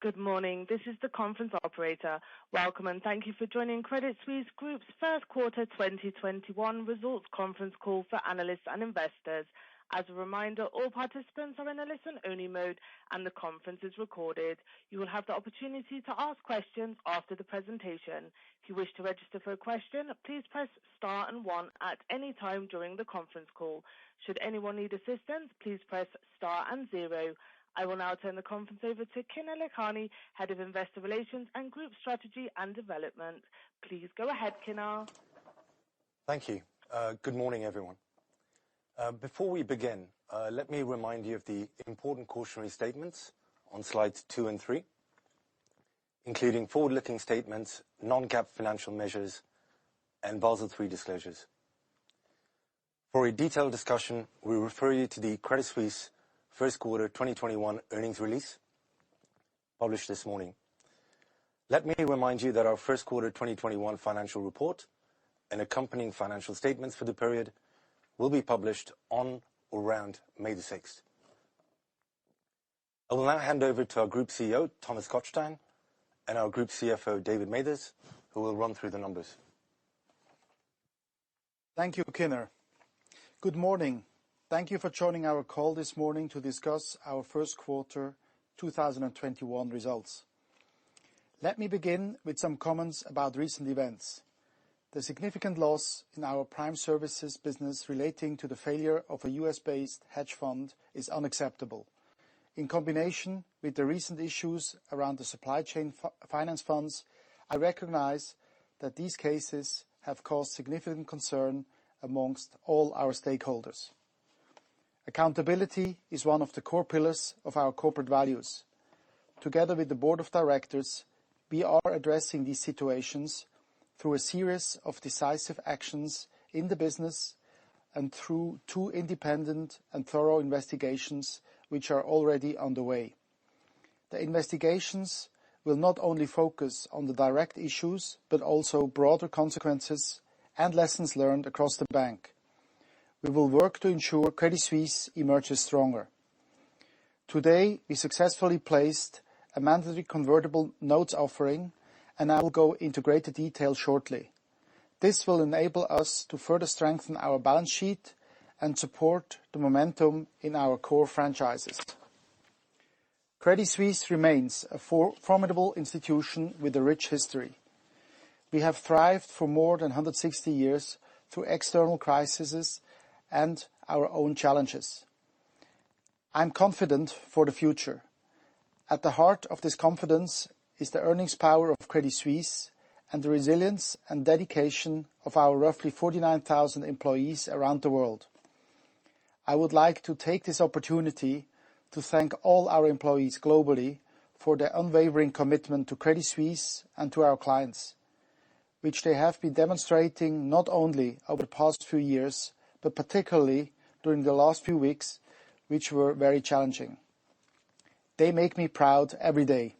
Good morning. This is the conference operator. Welcome and thank you for joining Credit Suisse Group's first quarter 2021 results conference call for analysts and investors. As a reminder, all participants are in a listened only mode and the conference is recorded. You will have the opportunity to ask a question after the presentation. If you wish to register for a question, please press star and one at anytime during the conference call. Should anyone need assistance, please press star and zero. I will now turn the conference over to Kinner Lakhani Head of Investor Relations and strategy and development. Please go ahead, Kinner. Thank you. Good morning, everyone. Before we begin, let me remind you of the important cautionary statements on slides two and three, including forward-looking statements, non-GAAP financial measures, and Basel III disclosures. For a detailed discussion, we refer you to the Credit Suisse first quarter 2021 earnings release published this morning. Let me remind you that our first quarter 2021 financial report and accompanying financial statements for the period will be published on or around May 6th. I will now hand over to our Group CEO, Thomas Gottstein, and our Group CFO, David Mathers, who will run through the numbers. Thank you, Kinner. Good morning. Thank you for joining our call this morning to discuss our first quarter 2021 results. Let me begin with some comments about recent events. The significant loss in our prime services business relating to the failure of a U.S.-based hedge fund is unacceptable. In combination with the recent issues around the Supply Chain Finance funds, I recognize that these cases have caused significant concern amongst all our stakeholders. Accountability is one of the core pillars of our corporate values. Together with the board of directors, we are addressing these situations through a series of decisive actions in the business and through two independent and thorough investigations, which are already underway. The investigations will not only focus on the direct issues, but also broader consequences and lessons learned across the bank. We will work to ensure Credit Suisse emerges stronger. Today, we successfully placed a Mandatory Convertible Notes offering. I will go into greater detail shortly. This will enable us to further strengthen our balance sheet and support the momentum in our core franchises. Credit Suisse remains a formidable institution with a rich history. We have thrived for more than 160-years through external crises and our own challenges. I'm confident for the future. At the heart of this confidence is the earnings power of Credit Suisse and the resilience and dedication of our roughly 49,000 employees around the world. I would like to take this opportunity to thank all our employees globally for their unwavering commitment to Credit Suisse and to our clients, which they have been demonstrating not only over the past few years, but particularly during the last few weeks, which were very challenging. They make me proud every day.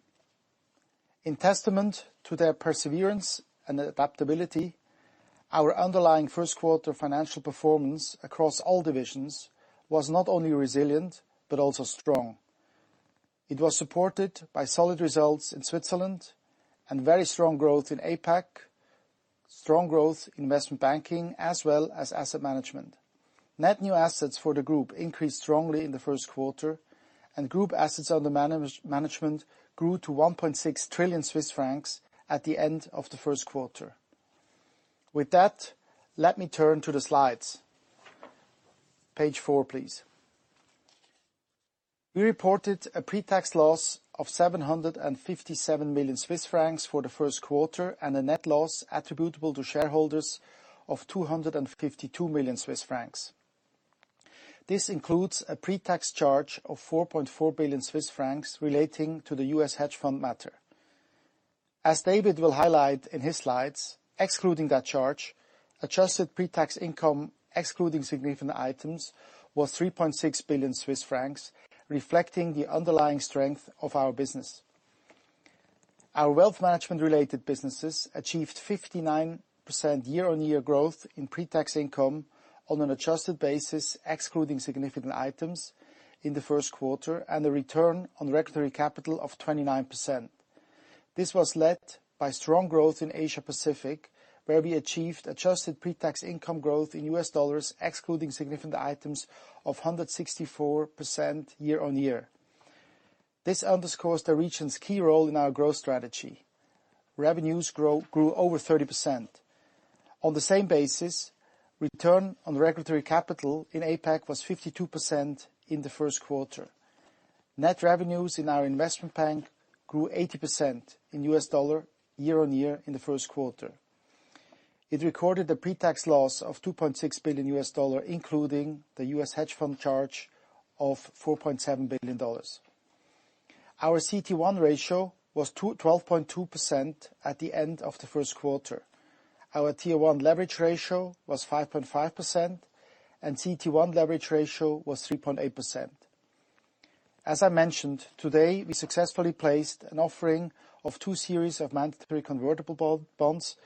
In testament to their perseverance and adaptability, our underlying first quarter financial performance across all divisions was not only resilient, but also strong. It was supported by solid results in Switzerland and very strong growth in APAC, strong growth in investment banking, as well as asset management. Net new assets for the group increased strongly in the first quarter, and group assets under management grew to 1.6 trillion Swiss francs at the end of the first quarter. With that, let me turn to the slides. Page four, please. We reported a pre-tax loss of 757 million Swiss francs for the first quarter and a net loss attributable to shareholders of 252 million Swiss francs. This includes a pre-tax charge of 4.4 billion Swiss francs relating to the U.S. hedge fund matter. As David will highlight in his slides, excluding that charge, adjusted pre-tax income, excluding significant items, was 3.6 billion Swiss francs, reflecting the underlying strength of our business. Our wealth management-related businesses achieved 59% year-on-year growth in pre-tax income on an adjusted basis, excluding significant items in the first quarter, and a return on regulatory capital of 29%. This was led by strong growth in Asia-Pacific, where we achieved adjusted pre-tax income growth in US dollars, excluding significant items of 164% year-on-year. This underscores the region's key role in our growth strategy. Revenues grew over 30%. On the same basis, return on regulatory capital in APAC was 52% in the first quarter. Net revenues in our Investment Bank grew 80% in US dollar year-on-year in the first quarter. It recorded a pre-tax loss of $2.6 billion, including the U.S. hedge fund charge of $4.7 billion. Our CET1 ratio was 12.2% at the end of the first quarter. Our Tier 1 leverage ratio was 5.5%, and CET1 leverage ratio was 3.8%. As I mentioned, today, we successfully placed an offering of two series of mandatory convertible bonds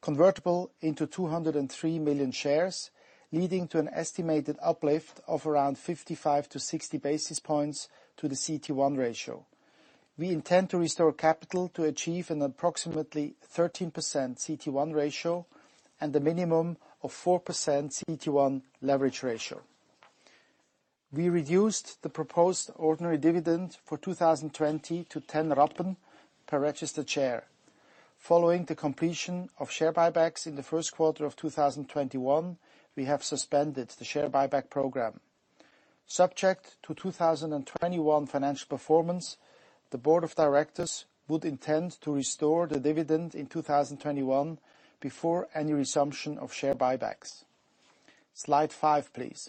convertible into 203 million shares, leading to an estimated uplift of around 55-60 basis points to the CET1 ratio. We intend to restore capital to achieve an approximately 13% CET1 ratio and a minimum of 4% CET1 leverage ratio. We reduced the proposed ordinary dividend for 2020 to 10 Rappen per registered share. Following the completion of share buybacks in the first quarter of 2021, we have suspended the share buyback program. Subject to 2021 financial performance, the board of directors would intend to restore the dividend in 2021 before any resumption of share buybacks. Slide five, please.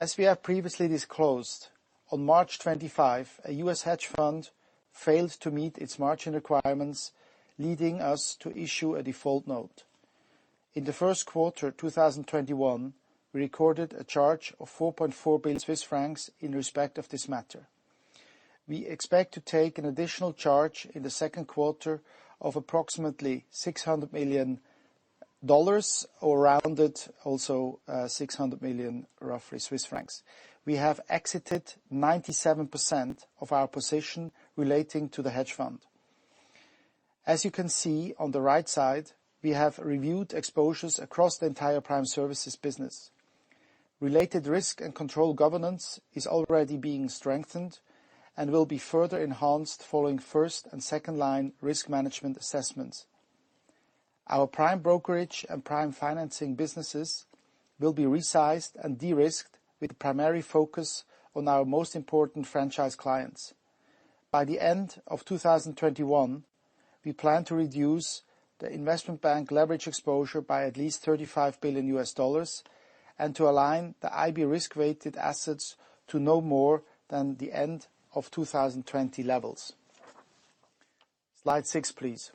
As we have previously disclosed, on March 25, a U.S. hedge fund failed to meet its margin requirements, leading us to issue a default note. In the first quarter 2021, we recorded a charge of 4.4 billion Swiss francs in respect of this matter. We expect to take an additional charge in the second quarter of approximately CHF 600 million or around it, also 600 million, roughly, Swiss francs. We have exited 97% of our position relating to the hedge fund. As you can see on the right side, we have reviewed exposures across the entire Prime Services business. Related risk and control governance is already being strengthened and will be further enhanced following first- and second-line risk management assessments. Our Prime Brokerage and Prime Financing businesses will be resized and de-risked with a primary focus on our most important franchise clients. By the end of 2021, we plan to reduce the investment bank leverage exposure by at least $35 billion and to align the IB risk-weighted assets to no more than the end of 2020 levels. Slide six, please.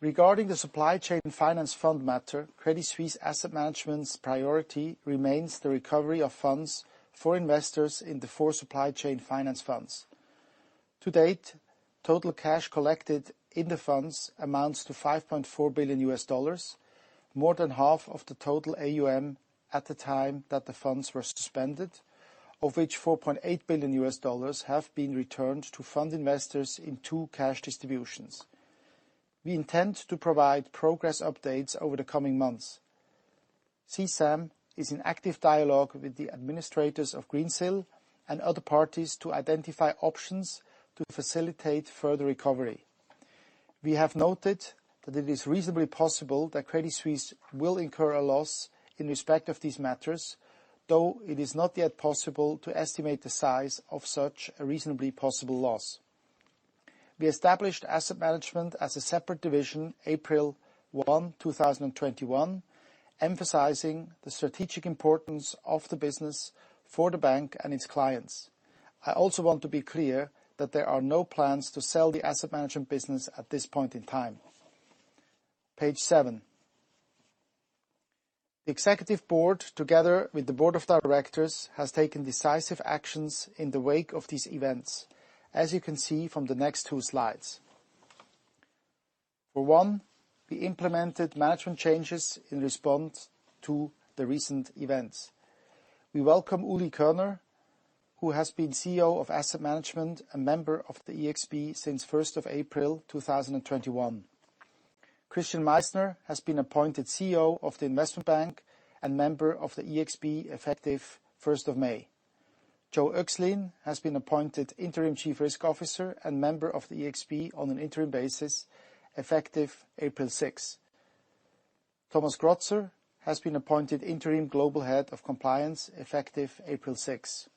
Regarding the Supply Chain Finance matter, Credit Suisse Asset Management's priority remains the recovery of funds for investors in the four Supply Chain Finance funds. To date, total cash collected in the funds amounts to $5.4 billion, more than half of the total AUM at the time that the funds were suspended, of which $4.8 billion have been returned to fund investors in two cash distributions. We intend to provide progress updates over the coming months. CSAM is in active dialogue with the administrators of Greensill and other parties to identify options to facilitate further recovery. We have noted that it is reasonably possible that Credit Suisse will incur a loss in respect of these matters, though it is not yet possible to estimate the size of such a reasonably possible loss. We established Asset Management as a separate division April 1, 2021, emphasizing the strategic importance of the business for the bank and its clients. I also want to be clear that there are no plans to sell the Asset Management business at this point in time. Page seven. The Executive Board, together with the Board of Directors, has taken decisive actions in the wake of these events, as you can see from the next two slides. For one, we implemented management changes in response to the recent events. We welcome Ulrich Körner, who has been CEO of Asset Management and member of the ExB since 1st of April 2021. Christian Meissner has been appointed CEO of the Investment Bank and member of the ExB effective 1st of May. Joachim Oechslin has been appointed Interim Chief Risk Officer and member of the ExB on an interim basis effective April 6th. Thomas Grotzer has been appointed Interim Global Head of Compliance effective April 6th.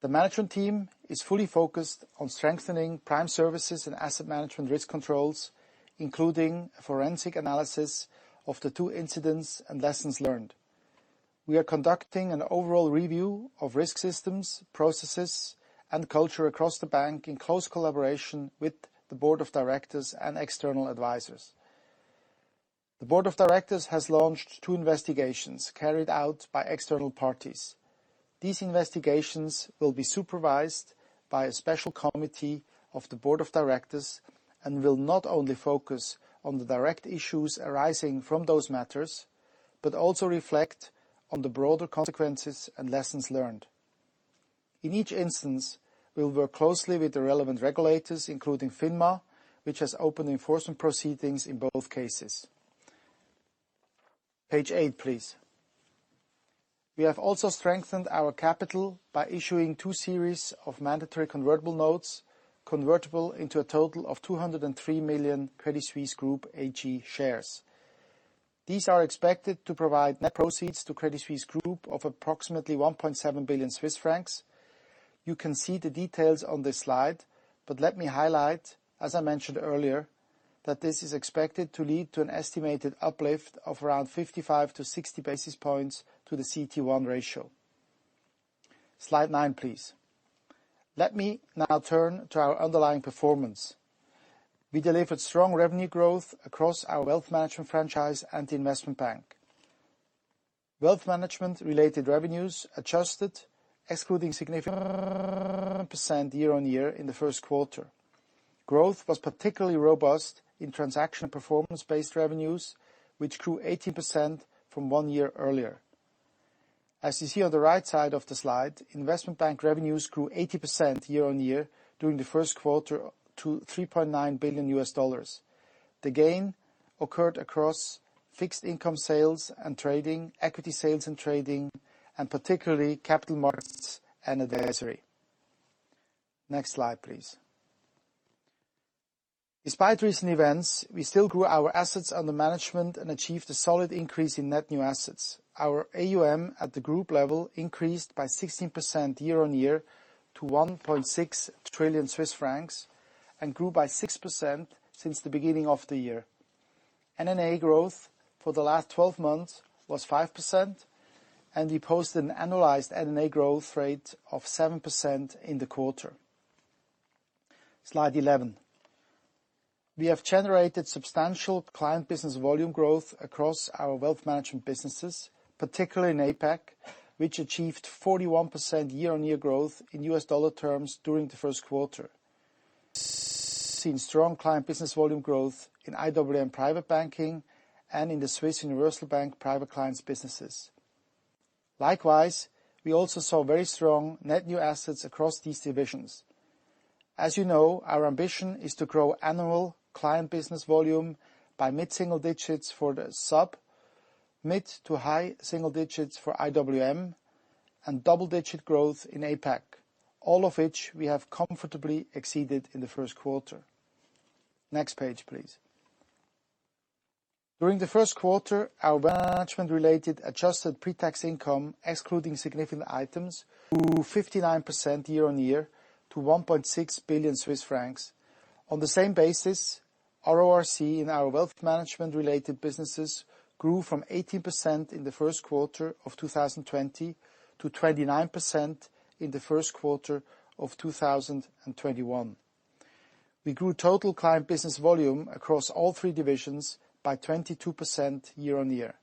The management team is fully focused on strengthening Prime Services and Asset Management risk controls, including a forensic analysis of the two incidents and lessons learned. We are conducting an overall review of risk systems, processes, and culture across the bank in close collaboration with the board of directors and external advisors. The board of directors has launched two investigations carried out by external parties. These investigations will be supervised by a special committee of the board of directors and will not only focus on the direct issues arising from those matters, but also reflect on the broader consequences and lessons learned. In each instance, we will work closely with the relevant regulators, including FINMA, which has opened enforcement proceedings in both cases. Page eight, please. We have also strengthened our capital by issuing two series of Mandatory Convertible Notes, convertible into a total of 203 million Credit Suisse Group AG shares. These are expected to provide net proceeds to Credit Suisse Group of approximately 1.7 billion Swiss francs. You can see the details on this slide, let me highlight, as I mentioned earlier, that this is expected to lead to an estimated uplift of around 55-60 basis points to the CET1 ratio. Slide nine, please. Let me now turn to our underlying performance. We delivered strong revenue growth across our wealth management franchise and the Investment Bank. Wealth management-related revenues adjusted. Growth was particularly robust in transaction performance-based revenues, which grew 18% from one year earlier. As you see on the right side of the slide, Investment Bank revenues grew 18% year-on-year during the first quarter to $3.9 billion USD. The gain occurred across fixed-income sales and trading, equity sales and trading, and particularly capital markets and advisory. Next slide, please. Despite recent events, we still grew our assets under management and achieved a solid increase in net new assets. Our AUM at the group level increased by 16% year-on-year to 1.6 trillion Swiss francs and grew by 6% since the beginning of the year. NNA growth for the last 12-months was 5%. We posted an annualized NNA growth rate of 7% in the quarter. Slide 11. We have generated substantial client business volume growth across our wealth management businesses, particularly in APAC, which achieved 41% year-on-year growth in US dollar terms during the first quarter. We have seen strong client business volume growth in IWM private banking and in the Swiss Universal Bank private clients businesses. Likewise, we also saw very strong net new assets across these divisions. As you know, our ambition is to grow annual client business volume by mid-single digits for the SUB, mid to high single digits for IWM, and double-digit growth in APAC, all of which we have comfortably exceeded in the first quarter. Next page, please. During the first quarter, our wealth management-related adjusted pre-tax income, excluding significant items, grew 59% year-on-year to 1.6 billion Swiss francs. On the same basis, RORC in our wealth management-related businesses grew from 18% in the first quarter of 2020 to 29% in the first quarter of 2021. We grew total client business volume across all three divisions by 22% year-on-year.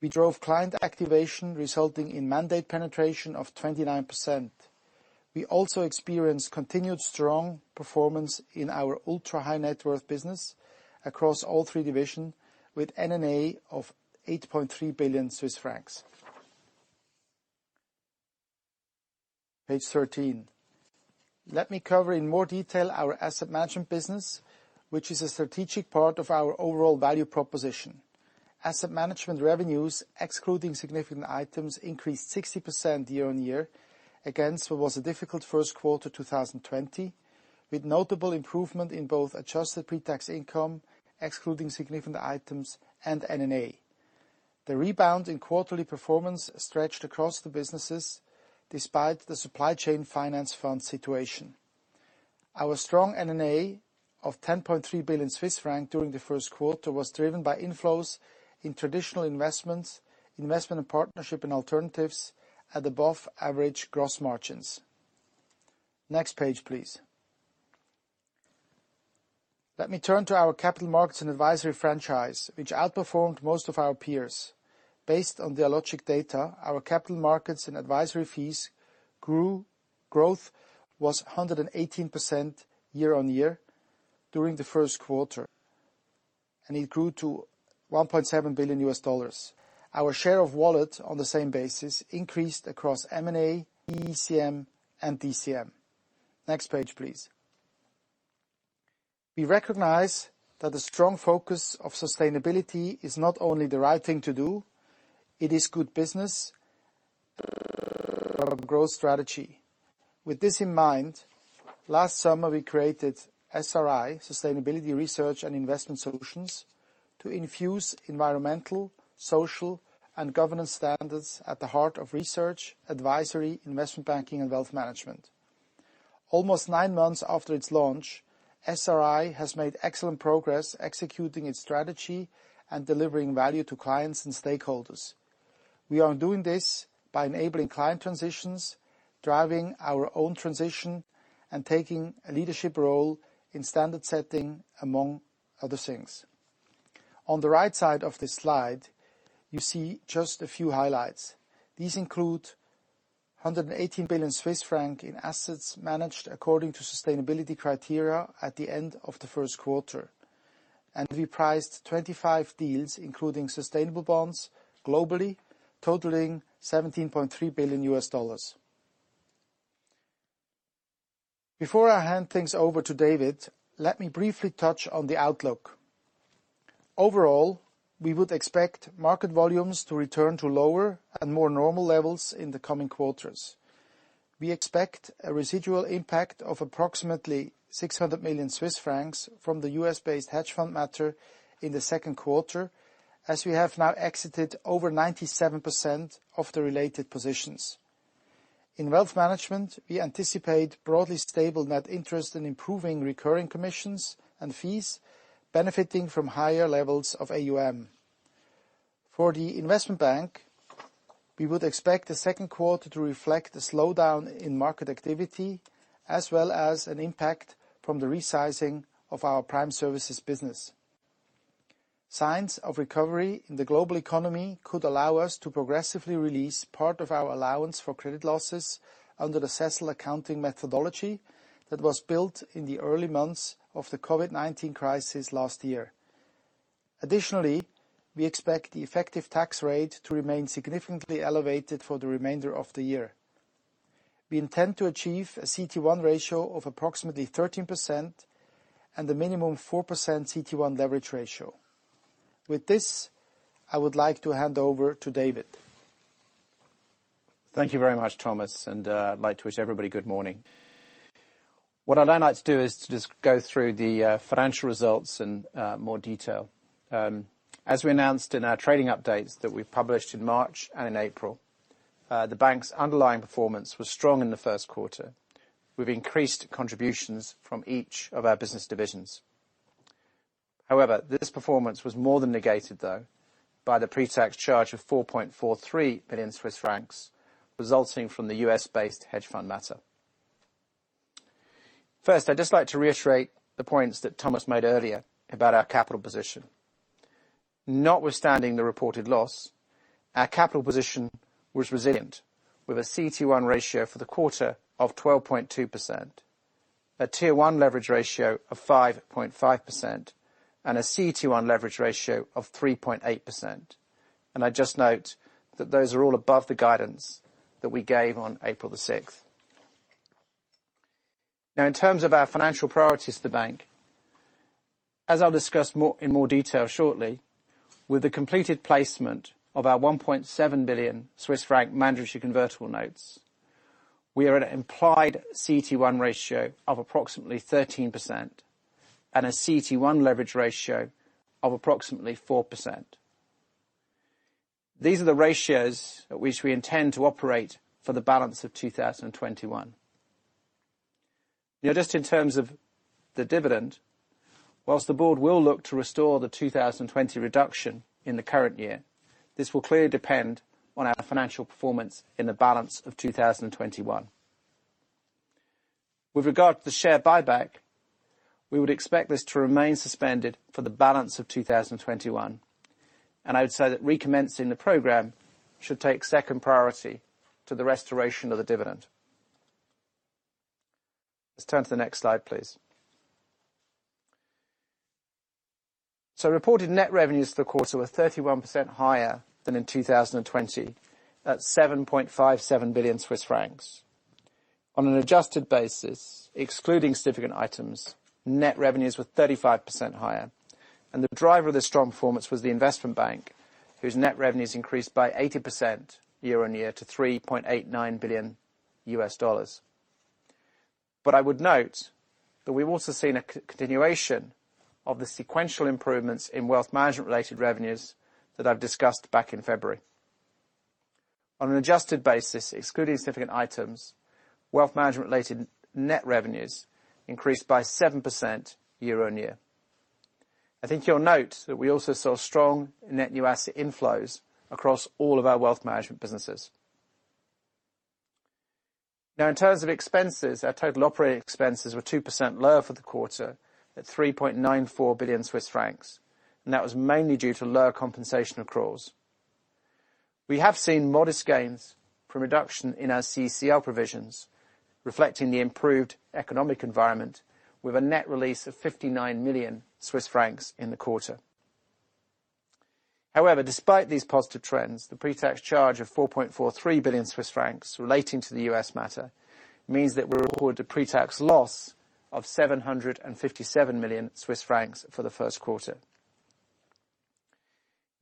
We drove client activation, resulting in mandate penetration of 29%. We also experienced continued strong performance in our ultra-high net worth business across all three divisions with NNA of 8.3 billion Swiss francs. Page 13. Let me cover in more detail our asset management business, which is a strategic part of our overall value proposition. Asset management revenues, excluding significant items, increased 60% year-on-year against what was a difficult first quarter 2020, with notable improvement in both adjusted pre-tax income, excluding significant items, and NNA. The rebound in quarterly performance stretched across the businesses despite the Supply Chain Finance Fund situation. Our strong NNA of 10.3 billion Swiss francs during the first quarter was driven by inflows in traditional investments, investment and partnership and alternatives at above-average gross margins. Next page, please. Let me turn to our capital markets and advisory franchise, which outperformed most of our peers. Based on Dealogic data, our capital markets and advisory fees growth was 118% year-on-year during the first quarter, and it grew to $1.7 billion. Our share of wallet on the same basis increased across M&A, ECM, and DCM. Next page, please. We recognize that a strong focus on sustainability is not only the right thing to do, it is good business. Growth strategy. With this in mind, last summer, we created SRI, Sustainability, Research & Investment Solutions, to infuse environmental, social, and governance standards at the heart of research, advisory, investment banking, and wealth management. Almost nine months after its launch, SRI has made excellent progress executing its strategy and delivering value to clients and stakeholders. We are doing this by enabling client transitions, driving our own transition, and taking a leadership role in standard setting, among other things. On the right side of this slide, you see just a few highlights. These include 118 billion Swiss franc in assets managed according to sustainability criteria at the end of the first quarter, and we priced 25 deals, including sustainable bonds globally, totaling $17.3 billion. Before I hand things over to David, let me briefly touch on the outlook. We would expect market volumes to return to lower and more normal levels in the coming quarters. We expect a residual impact of approximately 600 million Swiss francs from the U.S.-based hedge fund matter in the second quarter, as we have now exited over 97% of the related positions. In wealth management, we anticipate broadly stable net interest in improving recurring commissions and fees, benefiting from higher levels of AUM. For the Investment Bank, we would expect the second quarter to reflect a slowdown in market activity, as well as an impact from the resizing of our Prime Services business. Signs of recovery in the global economy could allow us to progressively release part of our allowance for credit losses under the CECL accounting methodology that was built in the early months of the COVID-19 crisis last year. We expect the effective tax rate to remain significantly elevated for the remainder of the year. We intend to achieve a CET1 ratio of approximately 13% and a minimum 4% CET1 leverage ratio. With this, I would like to hand over to David. Thank you very much, Thomas, and I'd like to wish everybody good morning. What I'd now like to do is to just go through the financial results in more detail. As we announced in our trading updates that we published in March and in April, the bank's underlying performance was strong in the first quarter, with increased contributions from each of our business divisions. This performance was more than negated, though, by the pre-tax charge of 4.43 billion Swiss francs resulting from the U.S.-based hedge fund matter. I'd just like to reiterate the points that Thomas made earlier about our capital position. Notwithstanding the reported loss, our capital position was resilient, with a CET1 ratio for the quarter of 12.2%, a Tier 1 leverage ratio of 5.5%, and a CET1 leverage ratio of 3.8%. I'd just note that those are all above the guidance that we gave on April 6th. In terms of our financial priorities to the bank, as I'll discuss in more detail shortly, with the completed placement of our 1.7 billion Swiss franc Mandatory Convertible Notes, we are at an implied CET1 ratio of approximately 13% and a CET1 leverage ratio of approximately 4%. These are the ratios at which we intend to operate for the balance of 2021. Just in terms of the dividend, whilst the board will look to restore the 2020 reduction in the current year, this will clearly depend on our financial performance in the balance of 2021. With regard to the share buyback, we would expect this to remain suspended for the balance of 2021, and I would say that recommencing the program should take second priority to the restoration of the dividend. Let's turn to the next slide, please. Reported net revenues for the quarter were 31% higher than in 2020, at 7.57 billion Swiss francs. On an adjusted basis, excluding significant items, net revenues were 35% higher, and the driver of this strong performance was the Investment Bank, whose net revenues increased by 80% year-on-year to $3.89 billion. I would note that we've also seen a continuation of the sequential improvements in Wealth Management related revenues that I've discussed back in February. On an adjusted basis, excluding significant items, Wealth Management related net revenues increased by 7% year-on-year. I think you'll note that we also saw strong net new asset inflows across all of our wealth management businesses. In terms of expenses, our total operating expenses were 2% lower for the quarter at 3.94 billion Swiss francs. That was mainly due to lower compensation accruals. We have seen modest gains from reduction in our ACL provisions, reflecting the improved economic environment with a net release of 59 million Swiss francs in the quarter. Despite these positive trends, the pre-tax charge of 4.43 billion Swiss francs relating to the U.S. matter means that we recorded a pre-tax loss of 757 million Swiss francs for the first quarter.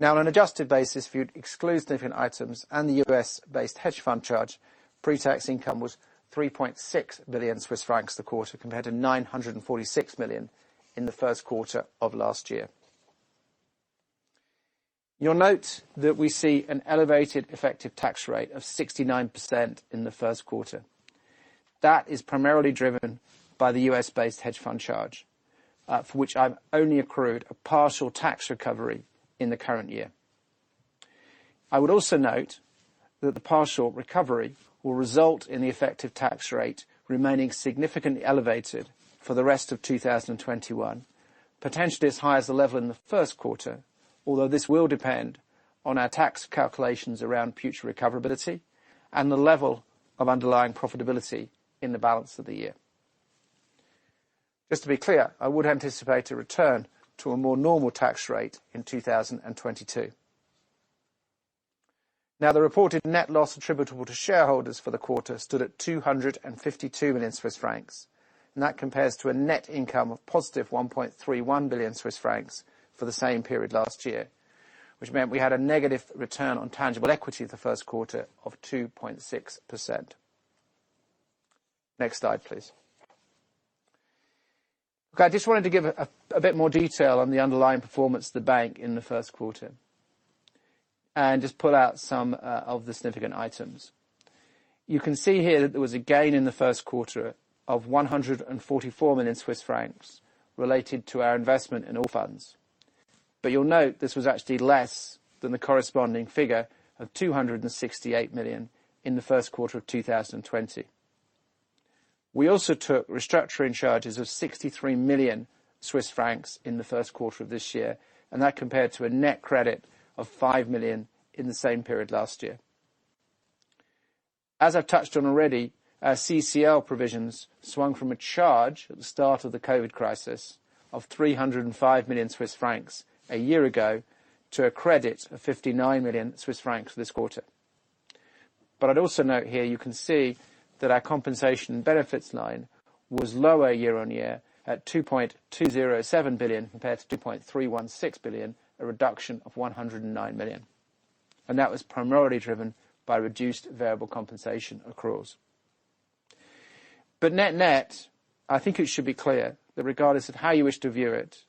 On an adjusted basis, if you exclude significant items and the U.S.-based hedge fund charge, pre-tax income was 3.6 billion Swiss francs for the quarter, compared to 946 million in the first quarter of last year. You'll note that we see an elevated effective tax rate of 69% in the first quarter. That is primarily driven by the U.S.-based hedge fund charge, for which I've only accrued a partial tax recovery in the current year. I would also note that the partial recovery will result in the effective tax rate remaining significantly elevated for the rest of 2021, potentially as high as the level in the first quarter, although this will depend on our tax calculations around future recoverability and the level of underlying profitability in the balance of the year. Just to be clear, I would anticipate a return to a more normal tax rate in 2022. The reported net loss attributable to shareholders for the quarter stood at 252 million Swiss francs, and that compares to a net income of positive 1.31 billion Swiss francs for the same period last year, which meant we had a negative return on tangible equity the first quarter of 2.6%. Next slide, please. I just wanted to give a bit more detail on the underlying performance of the bank in the first quarter and just pull out some of the significant items. You can see here that there was a gain in the first quarter of 144 million Swiss francs related to our investment in Allfunds. You'll note this was actually less than the corresponding figure of 268 million in the first quarter of 2020. We also took restructuring charges of 63 million Swiss francs in the first quarter of this year, and that compared to a net credit of 5 million in the same period last year. I've touched on already, our ACL provisions swung from a charge at the start of the COVID crisis of 305 million Swiss francs a year ago, to a credit of 59 million Swiss francs this quarter. I'd also note here, you can see that our compensation benefits line was lower year-on-year at 2.207 billion, compared to 2.316 billion, a reduction of 109 million. That was primarily driven by reduced variable compensation accruals. Net-net, I think it should be clear that regardless of how you wish to view it,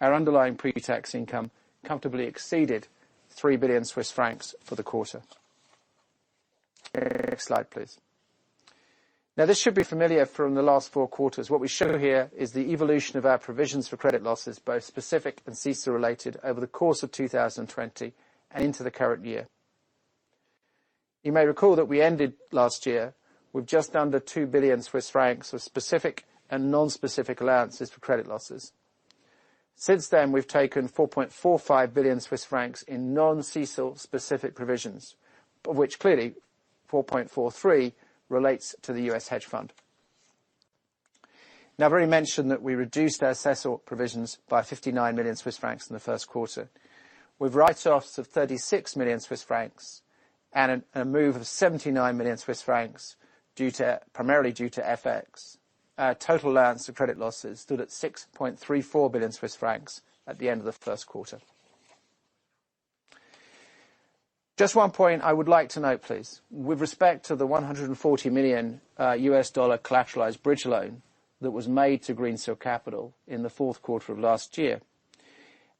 our underlying pre-tax income comfortably exceeded 3 billion Swiss francs for the quarter. Next slide, please. This should be familiar from the last four quarters. What we show here is the evolution of our provisions for credit losses, both specific and CECL-related, over the course of 2020 and into the current year. You may recall that we ended last year with just under 2 billion Swiss francs of specific and non-specific allowances for credit losses. Since then, we've taken 4.45 billion Swiss francs in non-CECL specific provisions, of which clearly 4.43 billion relates to the U.S. hedge fund. I've already mentioned that we reduced our CECL provisions by 59 million Swiss francs in the first quarter. With write-offs of 36 million Swiss francs and a move of 79 million Swiss francs, primarily due to FX. Total allowance to credit losses stood at 6.34 billion Swiss francs at the end of the first quarter. Just one point I would like to note, please. With respect to the $140 million collateralized bridge loan that was made to Greensill Capital in the fourth quarter of last year.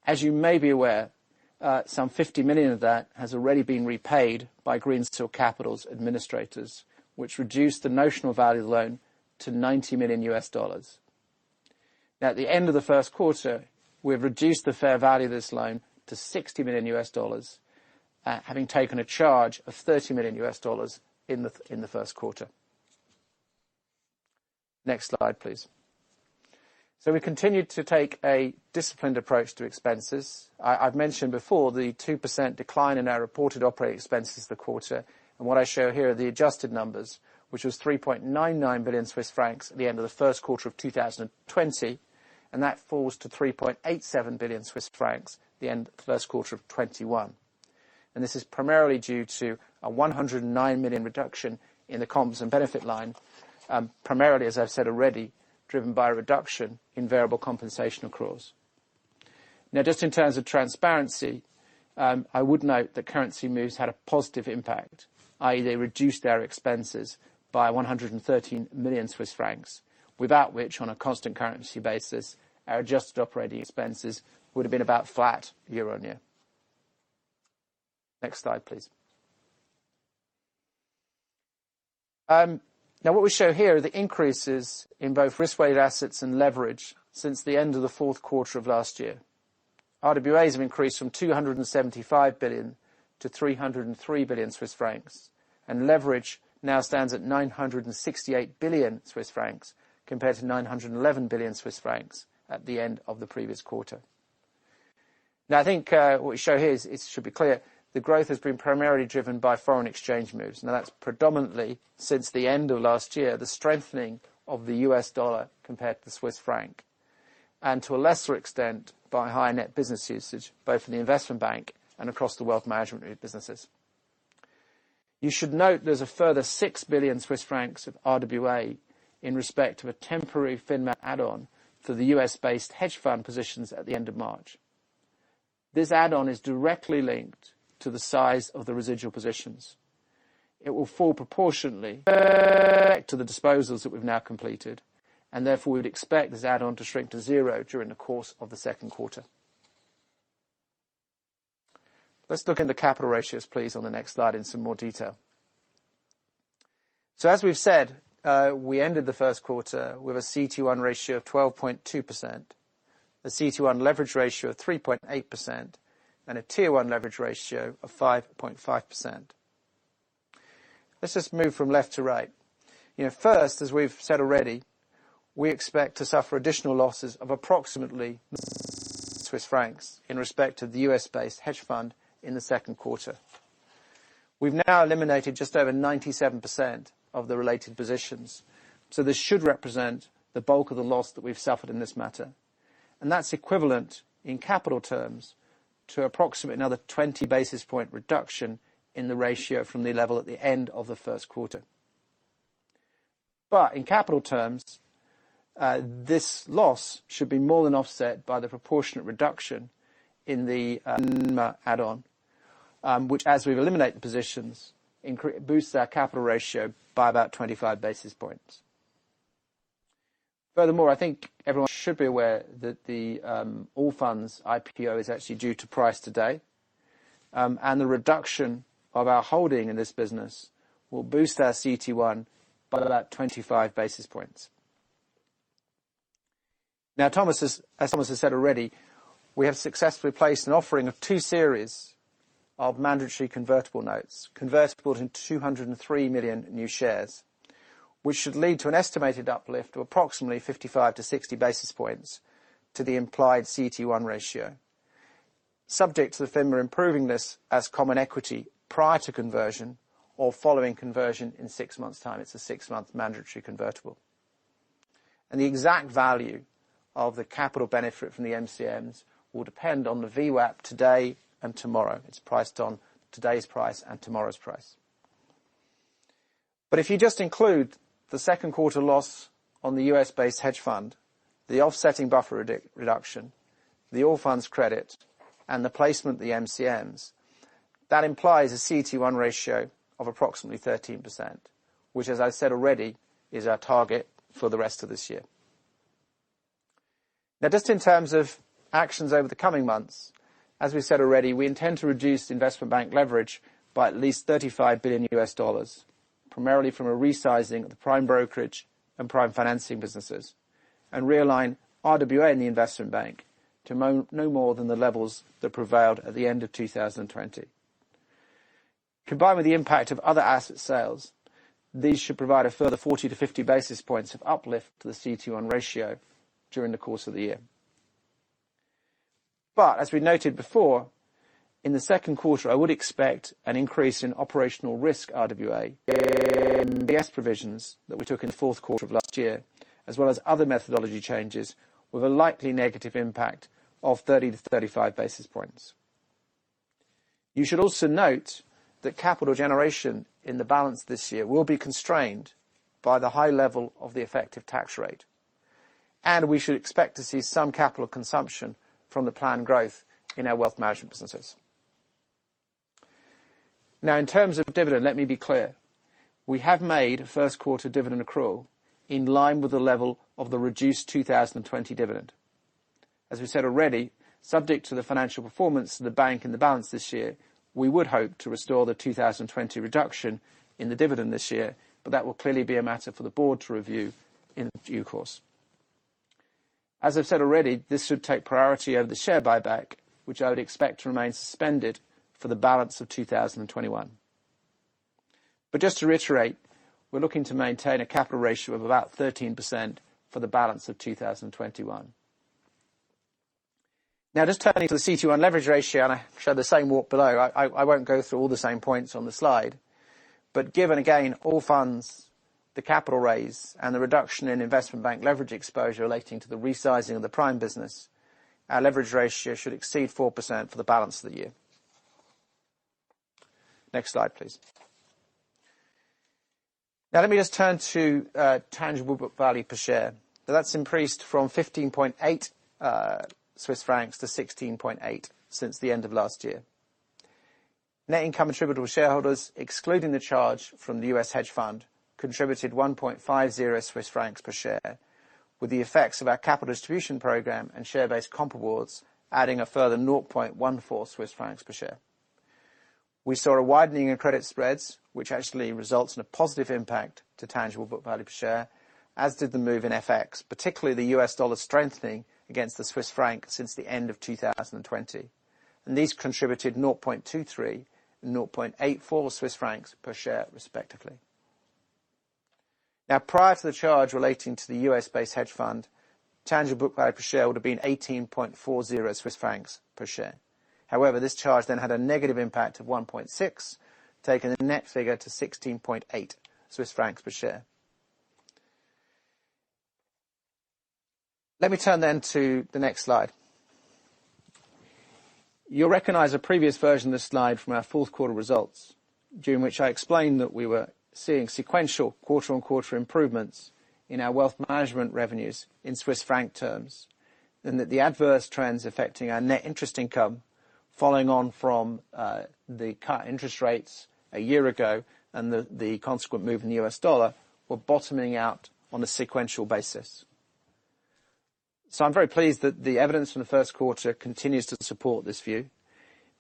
As you may be aware, some $50 million of that has already been repaid by Greensill Capital's administrators, which reduced the notional value of the loan to $90 million. At the end of the first quarter, we've reduced the fair value of this loan to $60 million, having taken a charge of $30 million in the first quarter. Next slide, please. We continued to take a disciplined approach to expenses. I've mentioned before the 2% decline in our reported operating expenses the quarter. What I show here are the adjusted numbers, which was 3.99 billion Swiss francs at the end of the first quarter of 2020. That falls to 3.87 billion Swiss francs at the end of the first quarter of 2021. This is primarily due to a 109 million reduction in the comps and benefit line. Primarily, as I've said already, driven by a reduction in variable compensation accruals. Now, just in terms of transparency, I would note that currency moves had a positive impact, i.e., they reduced our expenses by 113 million Swiss francs. Without which, on a constant currency basis, our adjusted operating expenses would've been about flat year-over-year. Next slide, please. What we show here are the increases in both risk-weighted assets and leverage since the end of the fourth quarter of last year. RWAs have increased from 275 billion-303 billion Swiss francs, and leverage now stands at 968 billion Swiss francs, compared to 911 billion Swiss francs at the end of the previous quarter. I think what we show here, it should be clear, the growth has been primarily driven by foreign exchange moves. That's predominantly since the end of last year, the strengthening of the US dollar compared to the CHF. To a lesser extent, by higher net business usage, both from the Investment Bank and across the wealth management businesses. You should note there's a further 6 billion Swiss francs of RWA in respect of a temporary FINMA add-on for the U.S.-based hedge fund positions at the end of March. This add-on is directly linked to the size of the residual positions. It will fall proportionately to the disposals that we've now completed, and therefore we'd expect this add-on to shrink to zero during the course of the second quarter. Let's look into capital ratios, please, on the next slide in some more detail. As we've said, we ended the first quarter with a CET1 ratio of 12.2%, a CET1 leverage ratio of 3.8%, and a Tier 1 leverage ratio of 5.5%. Let's just move from left to right. First, as we've said already, we expect to suffer additional losses of approximately CHF in respect of the U.S.-based hedge fund in the second quarter. We've now eliminated just over 97% of the related positions, this should represent the bulk of the loss that we've suffered in this matter. That's equivalent, in capital terms, to approximately another 20 basis point reduction in the ratio from the level at the end of the first quarter. In capital terms, this loss should be more than offset by the proportionate reduction in the add-on, which as we've eliminated positions, boosts our capital ratio by about 25 basis points. Furthermore, I think everyone should be aware that the Allfunds IPO is actually due to price today. The reduction of our holding in this business will boost our CET1 by about 25 basis points. Now, as Thomas has said already, we have successfully placed an offering of two series of Mandatory Convertible Notes, convertible in 203 million new shares, which should lead to an estimated uplift of approximately 55-60 basis points to the implied CET1 ratio, subject to the FINMA improving this as common equity prior to conversion or following conversion in six months' time. It's a six month mandatory convertible. The exact value of the capital benefit from the MCNs will depend on the VWAP today and tomorrow. It's priced on today's price and tomorrow's price. If you just include the second quarter loss on the U.S.-based hedge fund, the offsetting buffer reduction, the Allfunds credit, and the placement of the MCNs, that implies a CET1 ratio of approximately 13%, which as I said already, is our target for the rest of this year. Just in terms of actions over the coming months, as we've said already, we intend to reduce Investment Bank leverage by at least $35 billion, primarily from a resizing of the Prime Brokerage and Prime Financing businesses, and realign RWA in the Investment Bank to no more than the levels that prevailed at the end of 2020. Combined with the impact of other asset sales, these should provide a further 40-50 basis points of uplift to the CET1 ratio during the course of the year. As we noted before, in the second quarter, I would expect an increase in operational risk RWA and the DOJ provisions that we took in the fourth quarter of last year, as well as other methodology changes, with a likely negative impact of 30-35 basis points. You should also note that capital generation in the balance this year will be constrained by the high level of the effective tax rate. We should expect to see some capital consumption from the planned growth in our wealth management businesses. Now, in terms of dividend, let me be clear, we have made first quarter dividend accrual in line with the level of the reduced 2020 dividend. As we've said already, subject to the financial performance of the bank and the balance this year, we would hope to restore the 2020 reduction in the dividend this year, but that will clearly be a matter for the board to review in due course. As I've said already, this should take priority over the share buyback, which I would expect to remain suspended for the balance of 2021. Just to reiterate, we're looking to maintain a capital ratio of about 13% for the balance of 2021. Now, just turning to the CET1 leverage ratio, and I show the same below. I won't go through all the same points on the slide, but given again Allfunds, the capital raise, and the reduction in Investment Bank leverage exposure relating to the resizing of the prime business, our leverage ratio should exceed 4% for the balance of the year. Let me just turn to tangible book value per share. That's increased from 15.8-16.8 Swiss francs since the end of last year. Net income attributable to shareholders, excluding the charge from the U.S. hedge fund, contributed 1.50 Swiss francs per share, with the effects of our capital distribution program and share-based comp awards adding a further 0.14 Swiss francs per share. We saw a widening of credit spreads, which actually results in a positive impact to tangible book value per share, as did the move in FX, particularly the US dollar strengthening against the Swiss franc since the end of 2020. These contributed 0.23 and 0.84 Swiss francs per share respectively. Prior to the charge relating to the U.S.-based hedge fund, tangible book value per share would have been 18.40 Swiss francs per share. This charge had a negative impact of 1.6, taking the net figure to 16.8 Swiss francs per share. Let me turn to the next slide. You'll recognize a previous version of this slide from our fourth quarter results, during which I explained that we were seeing sequential quarter-on-quarter improvements in our wealth management revenues in CHF terms, the adverse trends affecting our net interest income following on from the cut interest rates a year ago and the consequent move in the US dollar were bottoming out on a sequential basis. I'm very pleased that the evidence from the first quarter continues to support this view.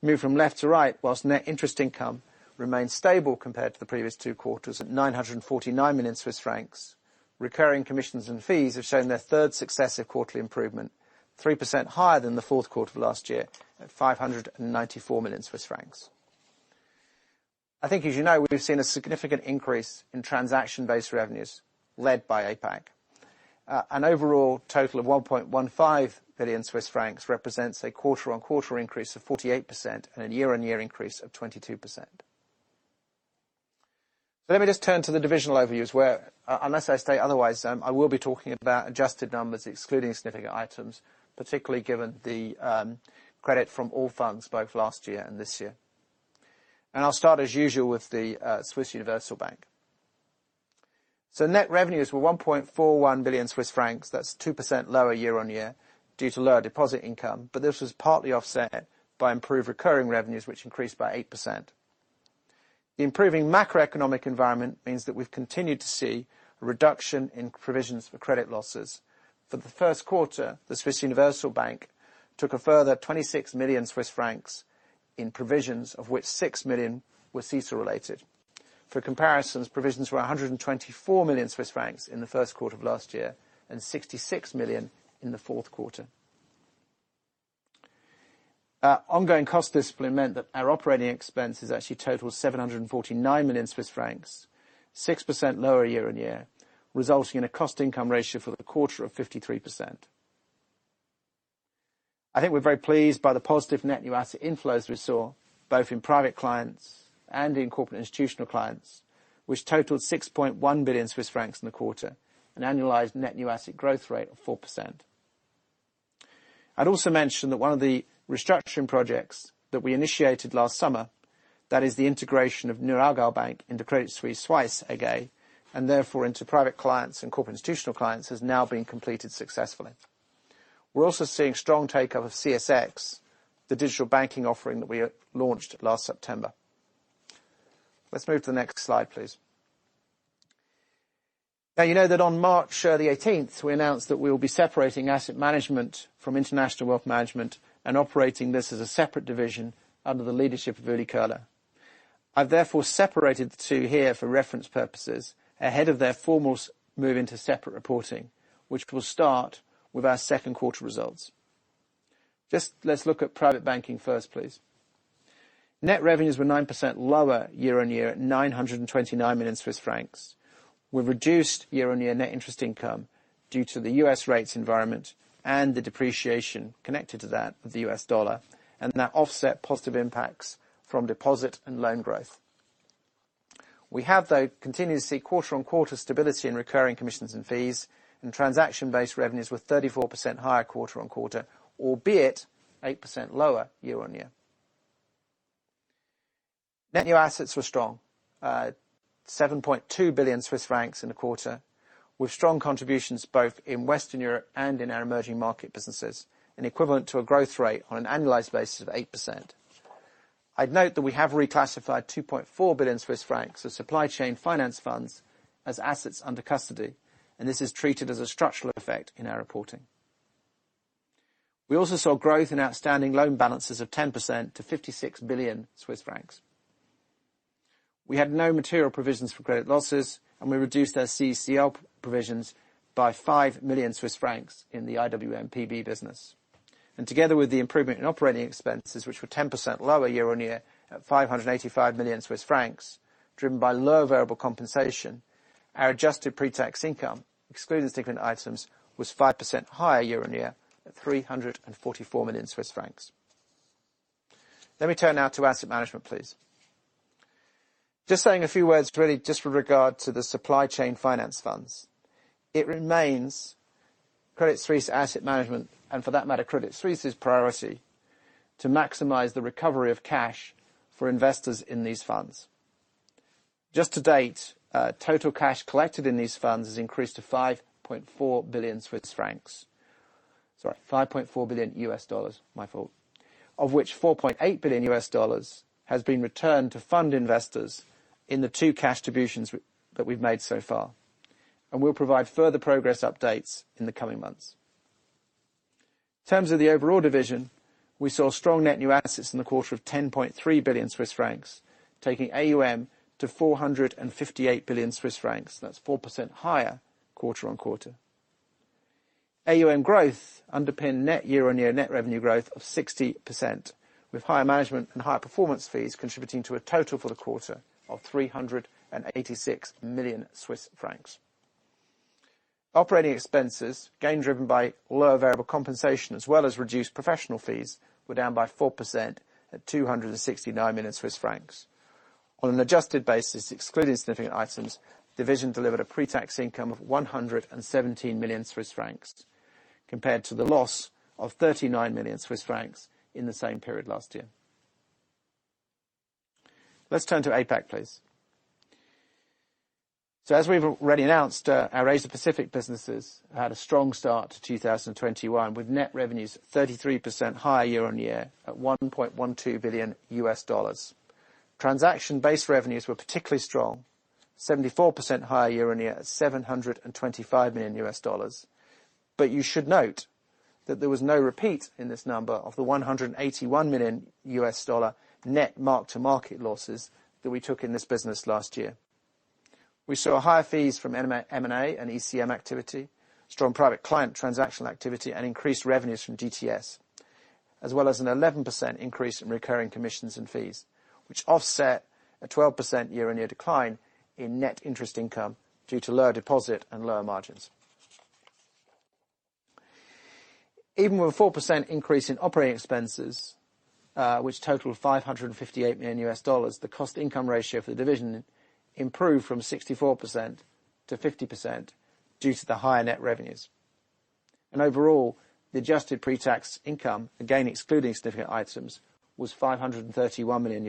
Move from left to right, whilst net interest income remains stable compared to the previous two quarters at 949 million Swiss francs. Recurring commissions and fees have shown their third successive quarterly improvement, 3% higher than the fourth quarter of last year at 594 million Swiss francs. I think as you know, we've seen a significant increase in transaction-based revenues led by APAC. An overall total of 1.15 billion Swiss francs represents a quarter-on-quarter increase of 48% and a year-on-year increase of 22%. Let me just turn to the divisional overviews, where unless I state otherwise, I will be talking about adjusted numbers excluding significant items, particularly given the credit from Allfunds both last year and this year. I'll start as usual with the Swiss Universal Bank. Net revenues were 1.41 billion Swiss francs. That's 2% lower year-on-year due to lower deposit income. This was partly offset by improved recurring revenues, which increased by 8%. The improving macroeconomic environment means that we've continued to see a reduction in provisions for credit losses. For the first quarter, the Swiss Universal Bank took a further 26 million Swiss francs in provisions, of which 6 million were CECL related. For comparison's provisions were 124 million Swiss francs in the first quarter of last year, and 66 million in the fourth quarter. Ongoing cost discipline meant that our operating expenses actually totaled 749 million Swiss francs, 6% lower year-on-year, resulting in a cost-income ratio for the quarter of 53%. I think we're very pleased by the positive net new asset inflows we saw, both in private clients and in corporate institutional clients, which totaled 6.1 billion Swiss francs in the quarter, an annualized net new asset growth rate of 4%. I'd also mention that one of the restructuring projects that we initiated last summer, that is the integration of Neue Aargauer Bank into Credit Suisse twice again, and therefore into private clients and corporate institutional clients, has now been completed successfully. We're also seeing strong take-up of CSX, the digital banking offering that we launched last September. Let's move to the next slide, please. Now, you know that on March the 18th, we announced that we will be separating Asset Management from International Wealth Management and operating this as a separate division under the leadership of Uli Körner. I've therefore separated the two here for reference purposes ahead of their formal move into separate reporting, which will start with our second quarter results. Just let's look at private banking first, please. Net revenues were 9% lower year-on-year at 929 million Swiss francs. We've reduced year-on-year net interest income due to the U.S. rates environment and the depreciation connected to that of the US dollar, and that offset positive impacts from deposit and loan growth. We have, though, continued to see quarter-on-quarter stability in recurring commissions and fees, and transaction-based revenues were 34% higher quarter-on-quarter, albeit 8% lower year-on-year. Net new assets were strong at 7.2 billion Swiss francs in the quarter, with strong contributions both in Western Europe and in our emerging market businesses, and equivalent to a growth rate on an annualized basis of 8%. I'd note that we have reclassified 2.4 billion Swiss francs of Supply Chain Finance funds as assets under custody, and this is treated as a structural effect in our reporting. We also saw growth in outstanding loan balances of 10% to 56 billion Swiss francs. We had no material provisions for credit losses. We reduced our ACL provisions by 5 million Swiss francs in the IWM PB business. Together with the improvement in operating expenses, which were 10% lower year-on-year at 585 million Swiss francs, driven by lower variable compensation, our adjusted pre-tax income, excluding significant items, was 5% higher year-on-year at 344 million Swiss francs. Let me turn now to asset management, please. Just saying a few words really just with regard to the Supply Chain Finance funds. It remains Credit Suisse Asset Management, and for that matter, Credit Suisse's priority to maximize the recovery of cash for investors in these funds. Just to date, total cash collected in these funds has increased to 5.4 billion Swiss francs. Sorry, $5.4 billion, my fault. $4.8 billion has been returned to fund investors in the two cash distributions that we've made so far. We'll provide further progress updates in the coming months. In terms of the overall division, we saw strong net new assets in the quarter of 10.3 billion Swiss francs, taking AUM to 458 billion Swiss francs. That's 4% higher quarter-on-quarter. AUM growth underpinned net year-on-year net revenue growth of 60%, with higher management and higher performance fees contributing to a total for the quarter of 386 million Swiss francs. Operating expenses, again driven by lower variable compensation as well as reduced professional fees, were down by 4% at 269 million Swiss francs. On an adjusted basis, excluding significant items, division delivered a pre-tax income of 117 million Swiss francs, compared to the loss of 39 million Swiss francs in the same period last year. Let's turn to APAC, please. As we've already announced, our Asia Pacific businesses had a strong start to 2021, with net revenues 33% higher year-on-year at $1.12 billion. Transaction-based revenues were particularly strong, 74% higher year-on-year at $725 million. You should note that there was no repeat in this number of the $181 million net mark-to-market losses that we took in this business last year. We saw higher fees from M&A and ECM activity, strong private client transactional activity, and increased revenues from DTS, as well as an 11% increase in recurring commissions and fees, which offset a 12% year-on-year decline in net interest income due to lower deposit and lower margins. Even with a 4% increase in operating expenses, which totaled $558 million, the cost income ratio for the division improved from 64% to 50% due to the higher net revenues. Overall, the adjusted pre-tax income, again excluding significant items, was $531 million.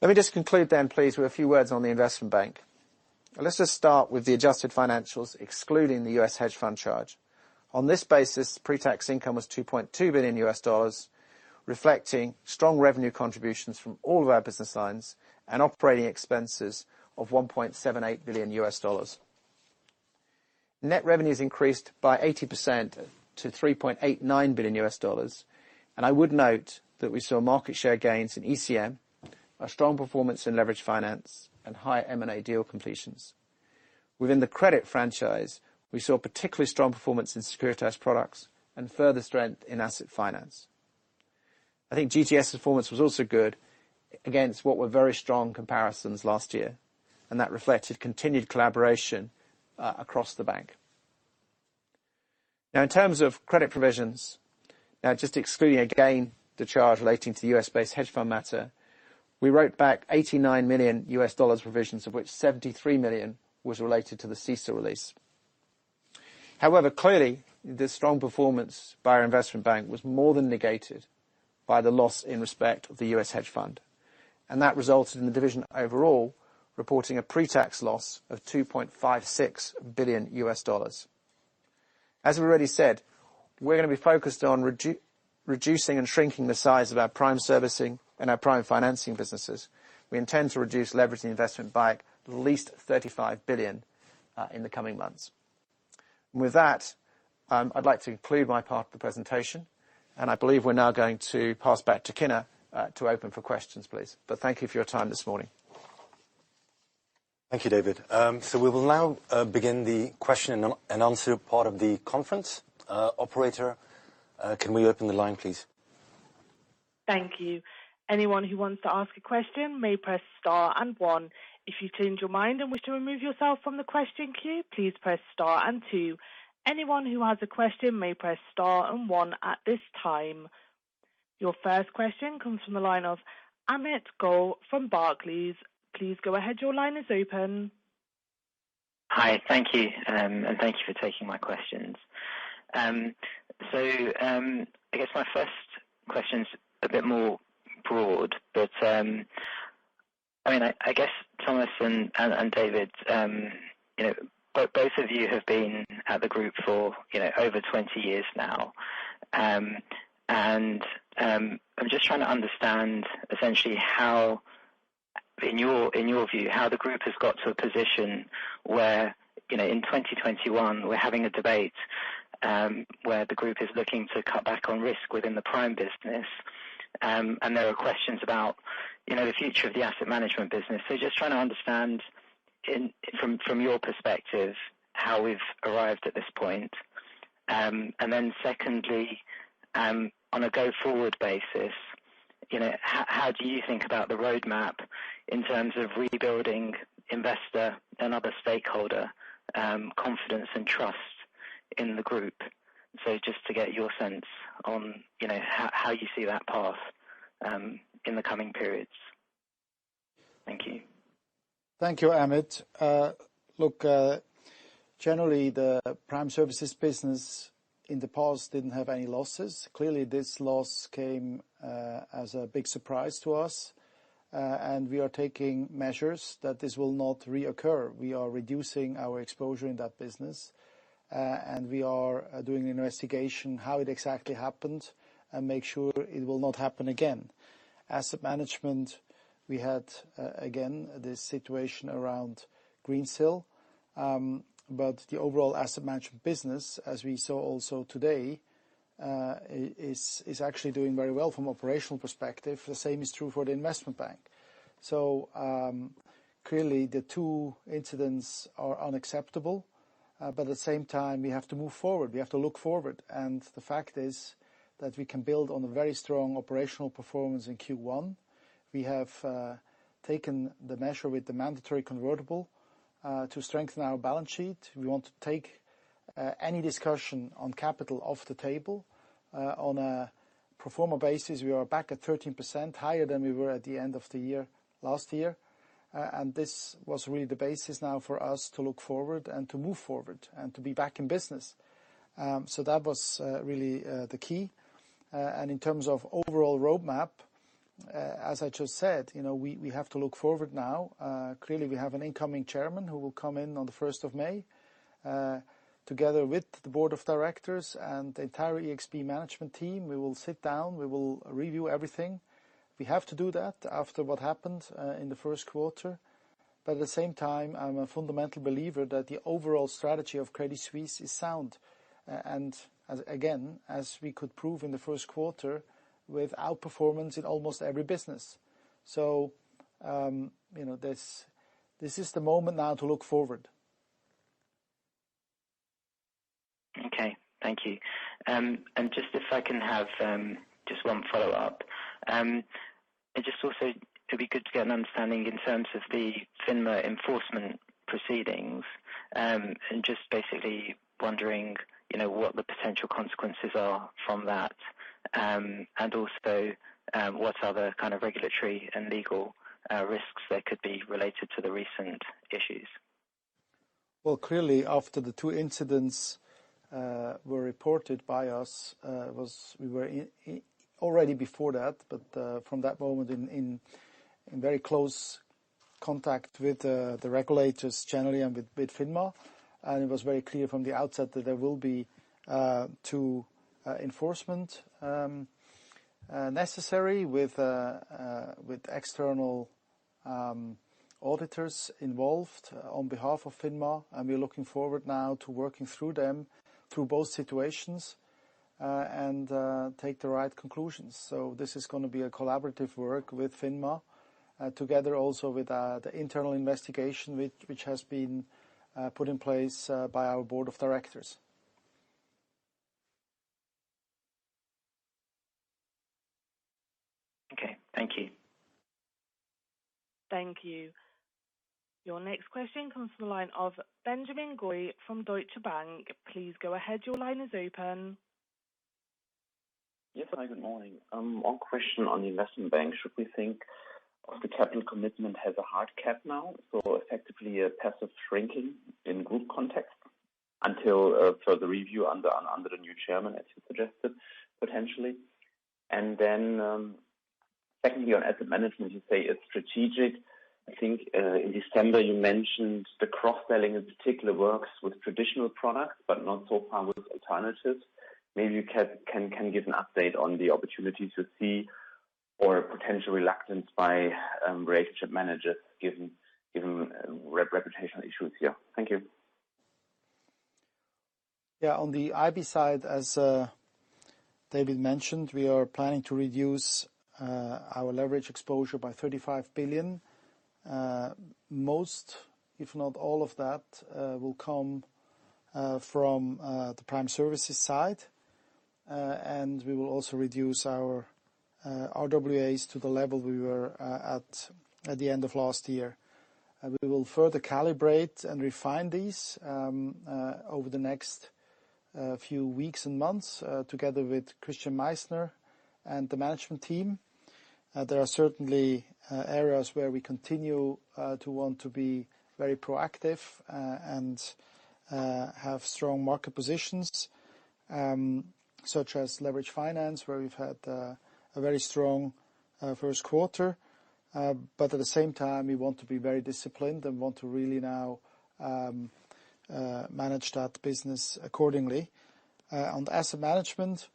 Let me just conclude then, please, with a few words on the investment bank. Let's just start with the adjusted financials, excluding the Archegos charge. On this basis, pre-tax income was $2.2 billion, reflecting strong revenue contributions from all of our business lines and operating expenses of $1.78 billion. Net revenues increased by 80% to $3.89 billion. I would note that we saw market share gains in ECM, a strong performance in leveraged finance, and higher M&A deal completions. Within the credit franchise, we saw particularly strong performance in Securitized Products and further strength in asset finance. I think GTS performance was also good against what were very strong comparisons last year, and that reflected continued collaboration across the bank. Now, in terms of credit provisions, just excluding again the charge relating to the U.S.-based hedge fund matter, we wrote back $89 million provisions, of which $73 million was related to the CECL release. However, clearly, this strong performance by our investment bank was more than negated by the loss in respect of the U.S. hedge fund. That resulted in the division overall reporting a pre-tax loss of $2.56 billion. As we already said, we're going to be focused on reducing and shrinking the size of our prime servicing and our prime financing businesses. We intend to reduce leveraging investment by at least $35 billion in the coming months. With that, I'd like to conclude my part of the presentation, and I believe we're now going to pass back to Kinner to open for questions, please. Thank you for your time this morning. Thank you, David. We will now begin the question and answer part of the conference. Operator, can we open the line, please? Thank you. Anyone who wants to ask a question may press star and one. If you change your mind and wish to remove yourself from the question queue, please press star and two. Anyone who has a question may press star and one at this time. Your first question comes from the line of Amit Goel from Barclays. Please go ahead. Your line is open. Hi. Thank you. Thank you for taking my questions. I guess my first question's a bit more broad. I guess, Thomas and David, both of you have been at the group for over 20-years now. I'm just trying to understand essentially how, in your view, how the group has got to a position where, in 2021, we're having a debate where the group is looking to cut back on risk within the prime business. There are questions about the future of the asset management business. Just trying to understand from your perspective, how we've arrived at this point. Secondly, on a go forward basis, how do you think about the roadmap in terms of rebuilding investor and other stakeholder confidence and trust in the group? Just to get your sense on how you see that path in the coming periods. Thank you. Thank you, Amit. Look, generally, the prime services business in the past didn't have any losses. Clearly, this loss came as a big surprise to us. We are taking measures that this will not reoccur. We are doing an investigation how it exactly happened and make sure it will not happen again. Asset Management, we had, again, this situation around Greensill. The overall Asset Management business, as we saw also today, is actually doing very well from operational perspective. The same is true for the Investment Bank. Clearly the two incidents are unacceptable. At the same time, we have to move forward. We have to look forward. The fact is that we can build on a very strong operational performance in Q1. We have taken the measure with the mandatory convertible to strengthen our balance sheet. We want to take any discussion on capital off the table. On a pro forma basis, we are back at 13%, higher than we were at the end of the year last year. This was really the basis now for us to look forward and to move forward and to be back in business. That was really the key. In terms of overall roadmap, as I just said, we have to look forward now. Clearly, we have an incoming chairman who will come in on the 1st of May. Together with the board of directors and the entire ExB management team, we will sit down, we will review everything. We have to do that after what happened in the first quarter. At the same time, I'm a fundamental believer that the overall strategy of Credit Suisse is sound. Again, as we could prove in the first quarter, with outperformance in almost every business. This is the moment now to look forward. Okay. Thank you. Just if I can have just one follow-up. Just also, it'd be good to get an understanding in terms of the FINMA enforcement proceedings. Just basically wondering what the potential consequences are from that. Also, what other kind of regulatory and legal risks there could be related to the recent issues. Clearly, after the two incidents were reported by us, we were, already before that, but from that moment in very close contact with the regulators generally and with FINMA. It was very clear from the outset that there will be two enforcement necessary with external auditors involved on behalf of FINMA, and we're looking forward now to working through them through both situations and take the right conclusions. This is going to be a collaborative work with FINMA, together also with the internal investigation which has been put in place by our board of directors. Okay. Thank you. Thank you. Your next question comes from the line of Benjamin Goy from Deutsche Bank. Please go ahead. Your line is open. Yes. Hi, good morning. One question on the Investment Bank. Should we think of the capital commitment has a hard cap now, so effectively a passive shrinking in group context until further review under the new Chairman, as you suggested, potentially? Secondly, on Asset Management, you say it's strategic. I think, in December, you mentioned the cross-selling in particular works with traditional products, but not so far with alternatives. Maybe you can give an update on the opportunity to see or potential reluctance by relationship managers given reputational issues here. Thank you. Yeah, on the IB side, as David mentioned, we are planning to reduce our leverage exposure by 35 billion. Most, if not all of that, will come from the Prime Services side. We will also reduce our RWAs to the level we were at at the end of last year. We will further calibrate and refine these over the next few weeks and months, together with Christian Meissner and the management team. There are certainly areas where we continue to want to be very proactive and have strong market positions, such as leverage finance, where we've had a very strong first quarter. At the same time, we want to be very disciplined and want to really now manage that business accordingly. On asset management,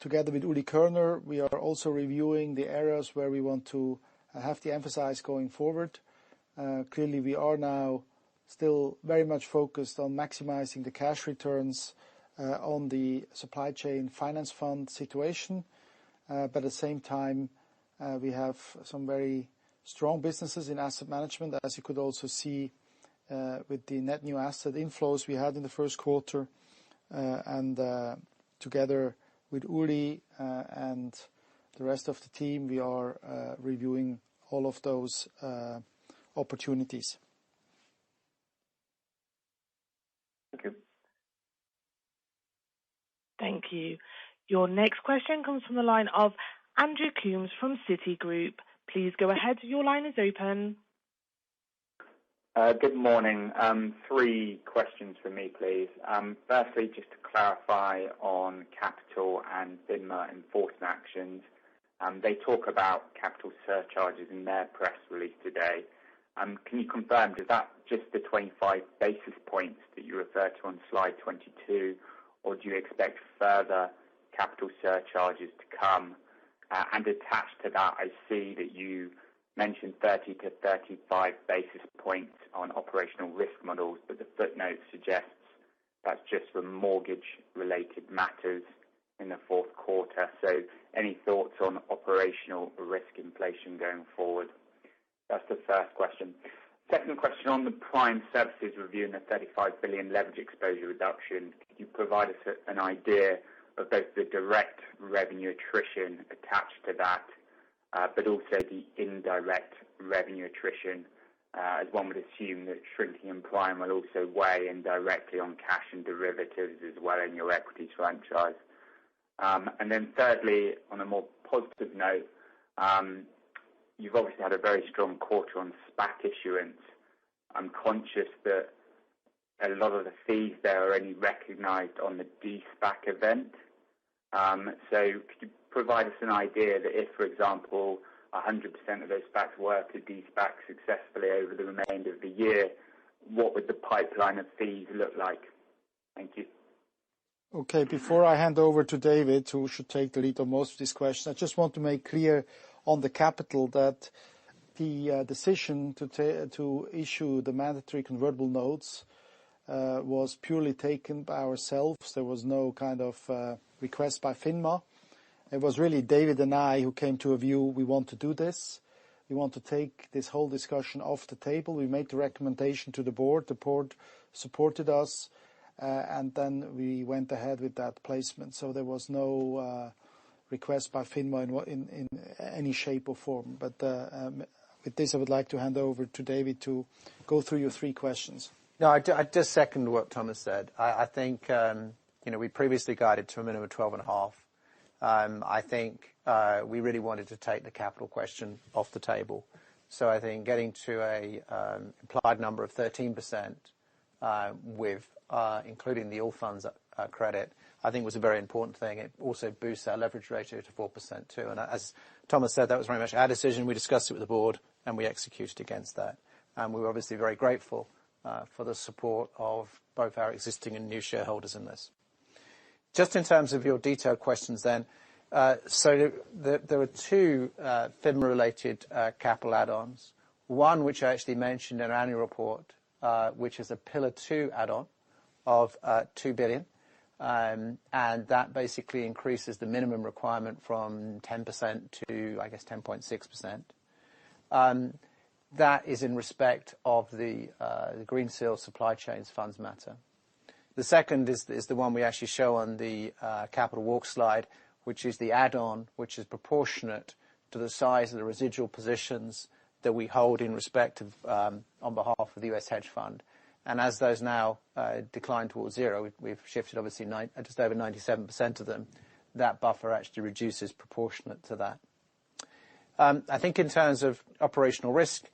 together with Uli Körner, we are also reviewing the areas where we want to have the emphasis going forward. Clearly, we are now still very much focused on maximizing the cash returns on the Supply Chain Finance fund situation. At the same time, we have some very strong businesses in Asset Management, as you could also see with the net new asset inflows we had in the first quarter. Together with Uli and the rest of the team, we are reviewing all of those opportunities. Thank you. Thank you. Your next question comes from the line of Andrew Coombs from Citigroup. Please go ahead. Your line is open. Good morning. Three questions from me, please. Firstly, just to clarify on capital and FINMA enforcement actions. They talk about capital surcharges in their press release today. Can you confirm, is that just the 25 basis points that you refer to on slide 22, or do you expect further capital surcharges to come? Attached to that, I see that you mentioned 30-35 basis points on operational risk models, but the footnote suggests that's just for mortgage-related matters in the fourth quarter. Any thoughts on operational risk inflation going forward? That's the first question. Second question on the Prime Services review and the 35 billion leverage exposure reduction. Could you provide us an idea of both the direct revenue attrition attached to that, but also the indirect revenue attrition, as one would assume that shrinking in Prime will also weigh indirectly on cash and derivatives as well in your equities franchise. Thirdly, on a more positive note, you've obviously had a very strong quarter on SPAC issuance. I'm conscious that a lot of the fees there are only recognized on the de-SPAC event. Could you provide us an idea that if, for example, 100% of those SPACs were to de-SPAC successfully over the remainder of the year, what would the pipeline of fees look like? Thank you. Okay. Before I hand over to David, who should take the lead on most of these questions, I just want to make clear on the capital that the decision to issue the Mandatory Convertible Notes was purely taken by ourselves. There was no kind of request by FINMA. It was really David and I who came to a view we want to do this. We want to take this whole discussion off the table. We made the recommendation to the board. The board supported us, and then we went ahead with that placement. There was no request by FINMA in any shape or form. With this, I would like to hand over to David to go through your three questions. No, I just second what Thomas said. I think we previously guided to a minimum of 12.5%. I think we really wanted to take the capital question off the table. I think getting to an implied number of 13% including the Allfunds credit, I think was a very important thing. It also boosts our leverage ratio to 4%, too. As Thomas said, that was very much our decision. We discussed it with the board, and we executed against that. We are obviously very grateful for the support of both our existing and new shareholders in this. Just in terms of your detailed questions then, there are two FINMA-related capital add-ons. One which I actually mentioned in our annual report, which is a Pillar 2 add-on of 2 billion. That basically increases the minimum requirement from 10% to, I guess, 10.6%. That is in respect of the Greensill Supply Chain Finance funds matter. The second is the one we actually show on the capital walk slide, which is the add-on, which is proportionate to the size of the residual positions that we hold in respect of on behalf of the U.S. hedge fund. As those now decline towards zero, we've shifted obviously just over 97% of them. That buffer actually reduces proportionate to that. I think in terms of operational risk,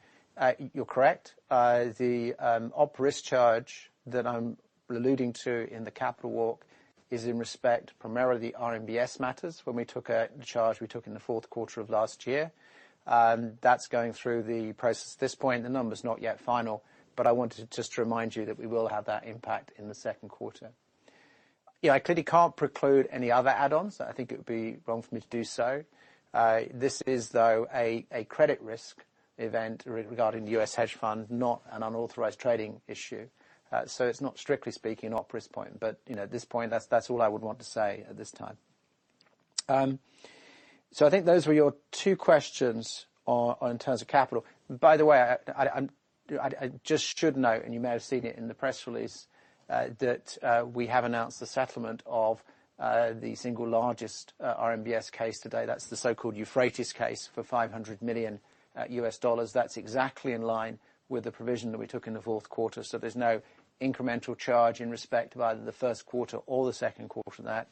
you're correct. The op risk charge that I'm alluding to in the capital walk is in respect primarily RMBS matters when we took a charge we took in the fourth quarter of last year. That's going through the process at this point. The number's not yet final, but I wanted to just remind you that we will have that impact in the second quarter. Yeah, I clearly can't preclude any other add-ons. I think it would be wrong for me to do so. This is, though, a credit risk event regarding the U.S. hedge fund, not an unauthorized trading issue. It's not strictly speaking an op risk point. At this point, that's all I would want to say at this time. I think those were your two questions in terms of capital. By the way, I just should note, and you may have seen it in the press release, that we have announced the settlement of the single largest RMBS case today. That's the so-called Euphrates case for $500 million. That's exactly in line with the provision that we took in the fourth quarter. There's no incremental charge in respect of either the first quarter or the second quarter there.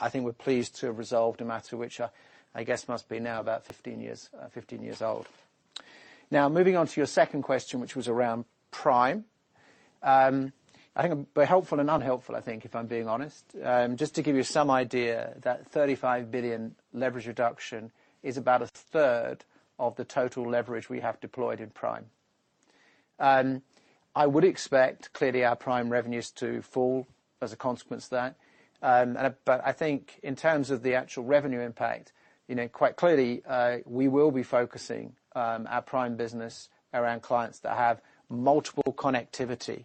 I think we're pleased to have resolved a matter which I guess must be now about 15-years old. Moving on to your second question, which was around Prime. I think I'm helpful and unhelpful, I think, if I'm being honest. Just to give you some idea, that 35 billion leverage reduction is about 1/3 of the total leverage we have deployed in Prime. I would expect, clearly, our Prime revenues to fall as a consequence of that. I think in terms of the actual revenue impact, quite clearly, we will be focusing our Prime business around clients that have multiple connectivity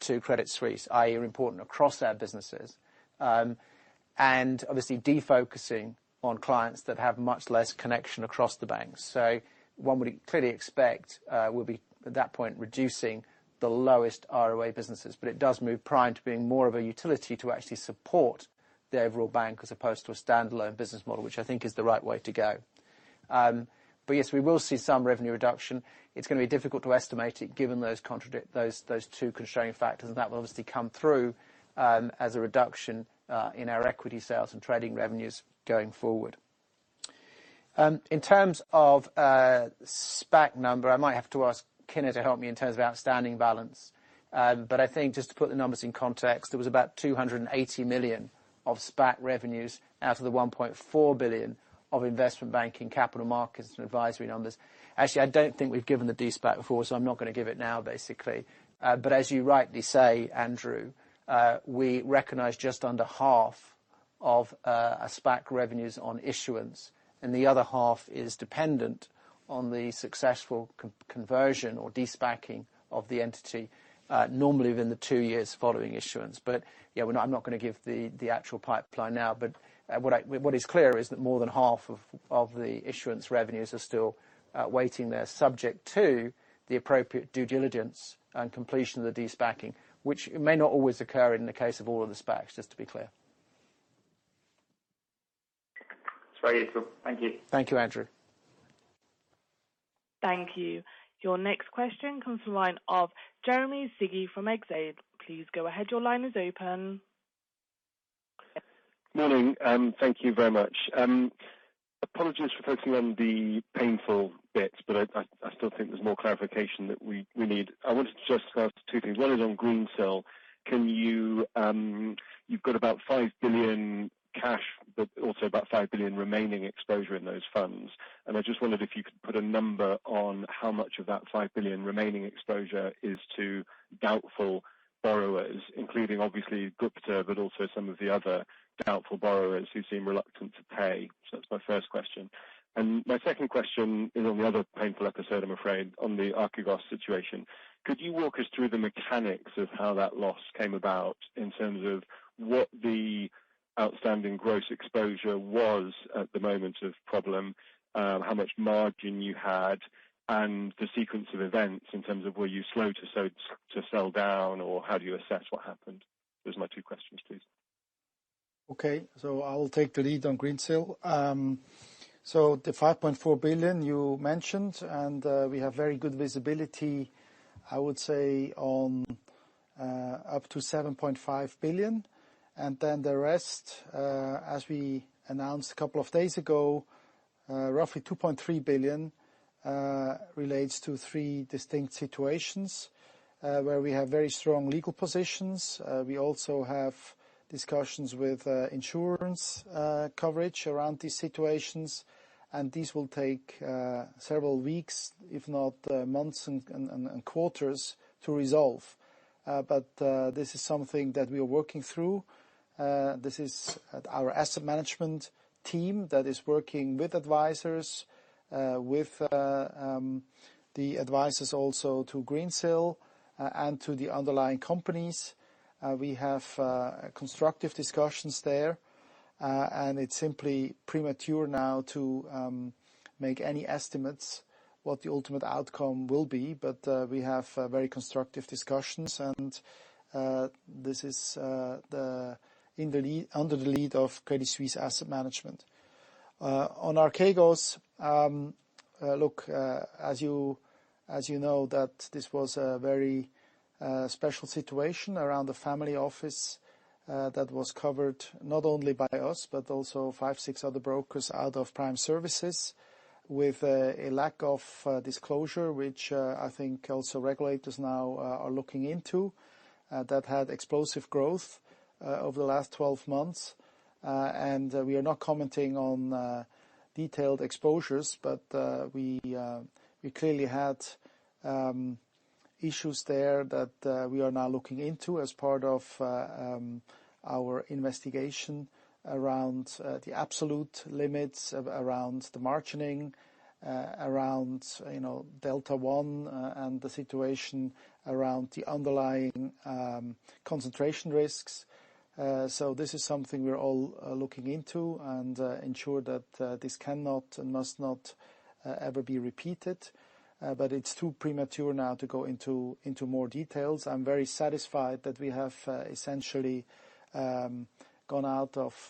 to Credit Suisse, i.e., are important across our businesses. Obviously de-focusing on clients that have much less connection across the banks. One would clearly expect we'll be, at that point, reducing the lowest ROA businesses. It does move Prime to being more of a utility to actually support the overall bank as opposed to a standalone business model, which I think is the right way to go. Yes, we will see some revenue reduction. It's going to be difficult to estimate it given those two constraining factors, and that will obviously come through, as a reduction in our equity sales and trading revenues going forward. In terms of SPAC number, I might have to ask Kinner to help me in terms of outstanding balance. I think just to put the numbers in context, there was about 280 million of SPAC revenues out of the 1.4 billion of investment banking capital markets and advisory numbers. Actually, I don't think we've given the de-SPAC before, so I'm not going to give it now, basically. As you rightly say, Andrew, we recognize just under half of SPAC revenues on issuance, and the other half is dependent on the successful conversion or de-SPACing of the entity, normally within the two years following issuance. Yeah, I'm not going to give the actual pipeline now. What is clear is that more than half of the issuance revenues are still waiting there, subject to the appropriate due diligence and completion of the de-SPACing, which may not always occur in the case of all of the SPACs, just to be clear. It's very good. Thank you. Thank you, Andrew. Thank you. Your next question comes from the line of Jeremy Sigee from Exane. Please go ahead. Your line is open. Morning. Thank you very much. Apologies for focusing on the painful bits, I still think there's more clarification that we need. I wanted to just ask two things. One is on Greensill. You've got about 5 billion cash, also about 5 billion remaining exposure in those funds. I just wondered if you could put a number on how much of that 5 billion remaining exposure is to doubtful borrowers, including obviously Gupta, also some of the other doubtful borrowers who seem reluctant to pay. That's my first question. My second question is on the other painful episode, I'm afraid, on the Archegos situation. Could you walk us through the mechanics of how that loss came about in terms of what the outstanding gross exposure was at the moment of problem, how much margin you had, and the sequence of events in terms of were you slow to sell down, or how do you assess what happened? There is my two questions, please. Okay. I will take the lead on Greensill. The 5.4 billion you mentioned, and we have very good visibility, I would say on up to 7.5 billion. The rest, as we announced a couple of days ago, roughly 2.3 billion, relates to three distinct situations, where we have very strong legal positions. We also have discussions with insurance coverage around these situations, and these will take several weeks, if not months and quarters to resolve. This is something that we are working through. This is our Asset Management team that is working with advisors, with the advisors also to Greensill and to the underlying companies. We have constructive discussions there, and it's simply premature now to make any estimates what the ultimate outcome will be. We have very constructive discussions, and this is under the lead of Credit Suisse Asset Management. On Archegos, look, as you know, that this was a very special situation around the family office that was covered not only by us, but also five, six other brokers out of Prime Services with a lack of disclosure, which I think also regulators now are looking into, that had explosive growth over the last 12-months. We are not commenting on detailed exposures, but we clearly had issues there that we are now looking into as part of our investigation around the absolute limits, around the margining, around Delta One, and the situation around the underlying concentration risks. This is something we're all looking into and ensure that this cannot and must not ever be repeated. It's too premature now to go into more details. I'm very satisfied that we have essentially gone out of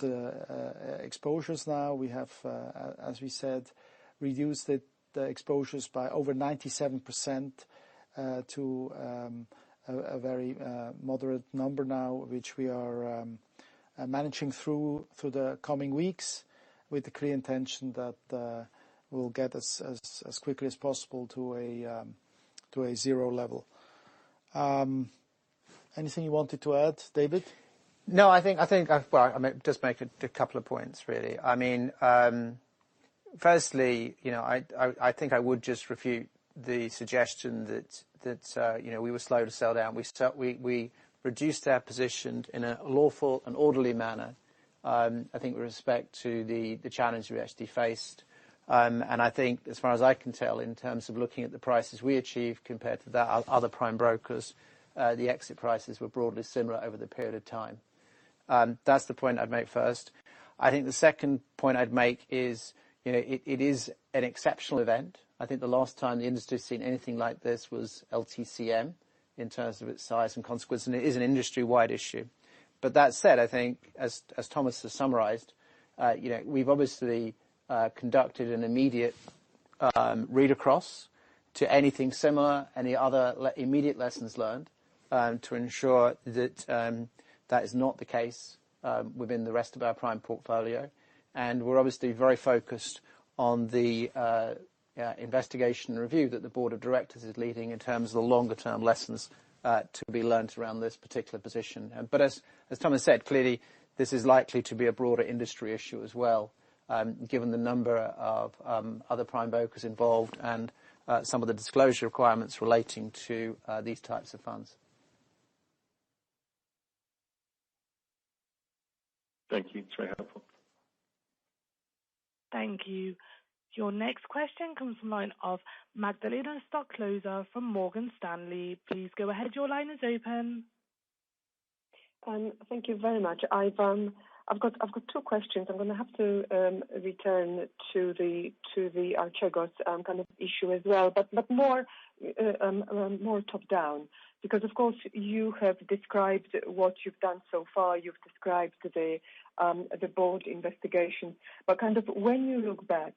the exposures now. We have, as we said, reduced the exposures by over 97% to a very moderate number now, which we are managing through the coming weeks with the clear intention that we'll get as quickly as possible to a zero level. Anything you wanted to add, David? I'll just make a couple of points, really. I think I would just refute the suggestion that we were slow to sell down. We reduced our position in a lawful and orderly manner, I think with respect to the challenge we actually faced. I think as far as I can tell, in terms of looking at the prices we achieved compared to the other prime brokers, the exit prices were broadly similar over the period of time. That's the point I'd make first. I think the second point I'd make is, it is an exceptional event. I think the last time the industry has seen anything like this was LTCM, in terms of its size and consequence. It is an industry-wide issue. That said, I think, as Thomas has summarized, we've obviously conducted an immediate read-across to anything similar, any other immediate lessons learned, to ensure that is not the case within the rest of our prime portfolio. We're obviously very focused on the investigation and review that the board of directors is leading in terms of the longer-term lessons to be learned around this particular position. As Thomas said, clearly, this is likely to be a broader industry issue as well, given the number of other prime brokers involved and some of the disclosure requirements relating to these types of funds. Thank you. It's very helpful. Thank you. Your next question comes from the line of Magdalena Stoklosa from Morgan Stanley. Please go ahead. Your line is open. Thank you very much. I've got two questions. I'm going to have to return to the Archegos issue as well, more top-down. Of course, you have described what you've done so far. You've described the board investigation. When you look back,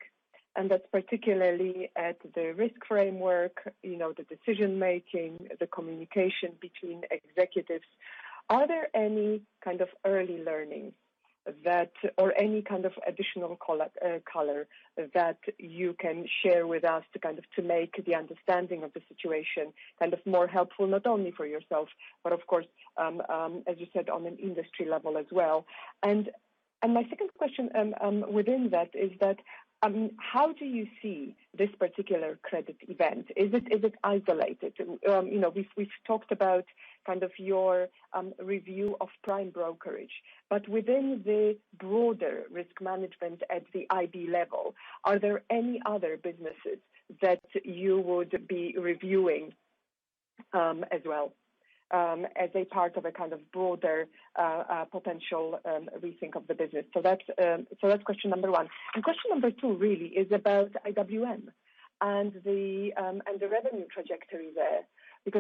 and that's particularly at the risk framework, the decision-making, the communication between executives, are there any early learning or any additional color that you can share with us to make the understanding of the situation more helpful, not only for yourself, but of course, as you said, on an industry level as well? My second question within that is that, how do you see this particular credit event? Is it isolated? We've talked about your review of prime brokerage. Within the broader risk management at the IB level, are there any other businesses that you would be reviewing as well as a part of a broader potential rethink of the business? That's question number one. Question number two really is about IWM and the revenue trajectory there.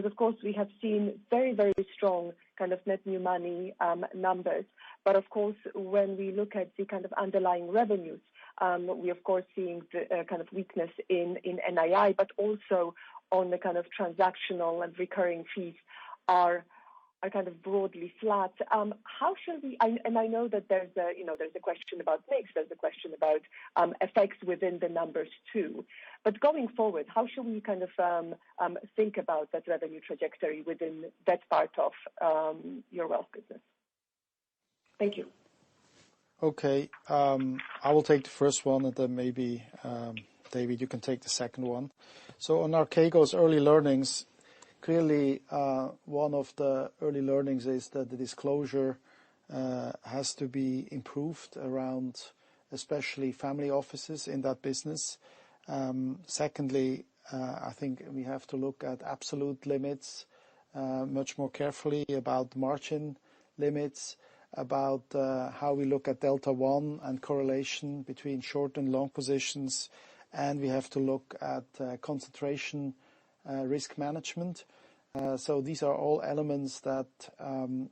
Of course, we have seen very strong net new money numbers. Of course, when we look at the underlying revenues, we of course are seeing weakness in NII, but also on the transactional and recurring fees are broadly flat. I know that there's a question about mix, there's a question about FX within the numbers too. Going forward, how should we think about that revenue trajectory within that part of your wealth business? Thank you. I will take the first one, maybe, David, you can take the second one. On Archegos early learnings, clearly one of the early learnings is that the disclosure has to be improved around especially family offices in that business. Secondly, I think we have to look at absolute limits much more carefully about margin limits, about how we look at Delta One and correlation between short and long positions, we have to look at concentration risk management. These are all elements that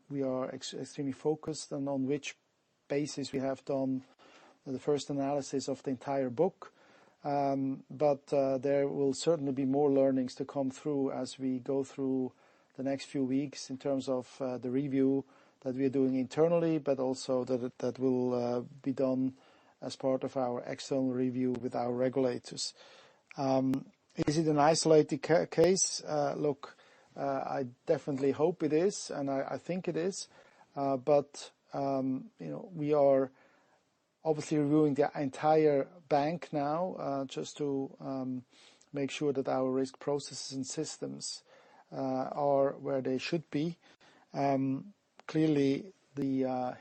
we are extremely focused on which basis we have done the first analysis of the entire book. There will certainly be more learnings to come through as we go through the next few weeks in terms of the review that we're doing internally, also that will be done as part of our external review with our regulators. Is it an isolated case? Look, I definitely hope it is, and I think it is. We are obviously reviewing the entire bank now, just to make sure that our risk processes and systems are where they should be. Clearly,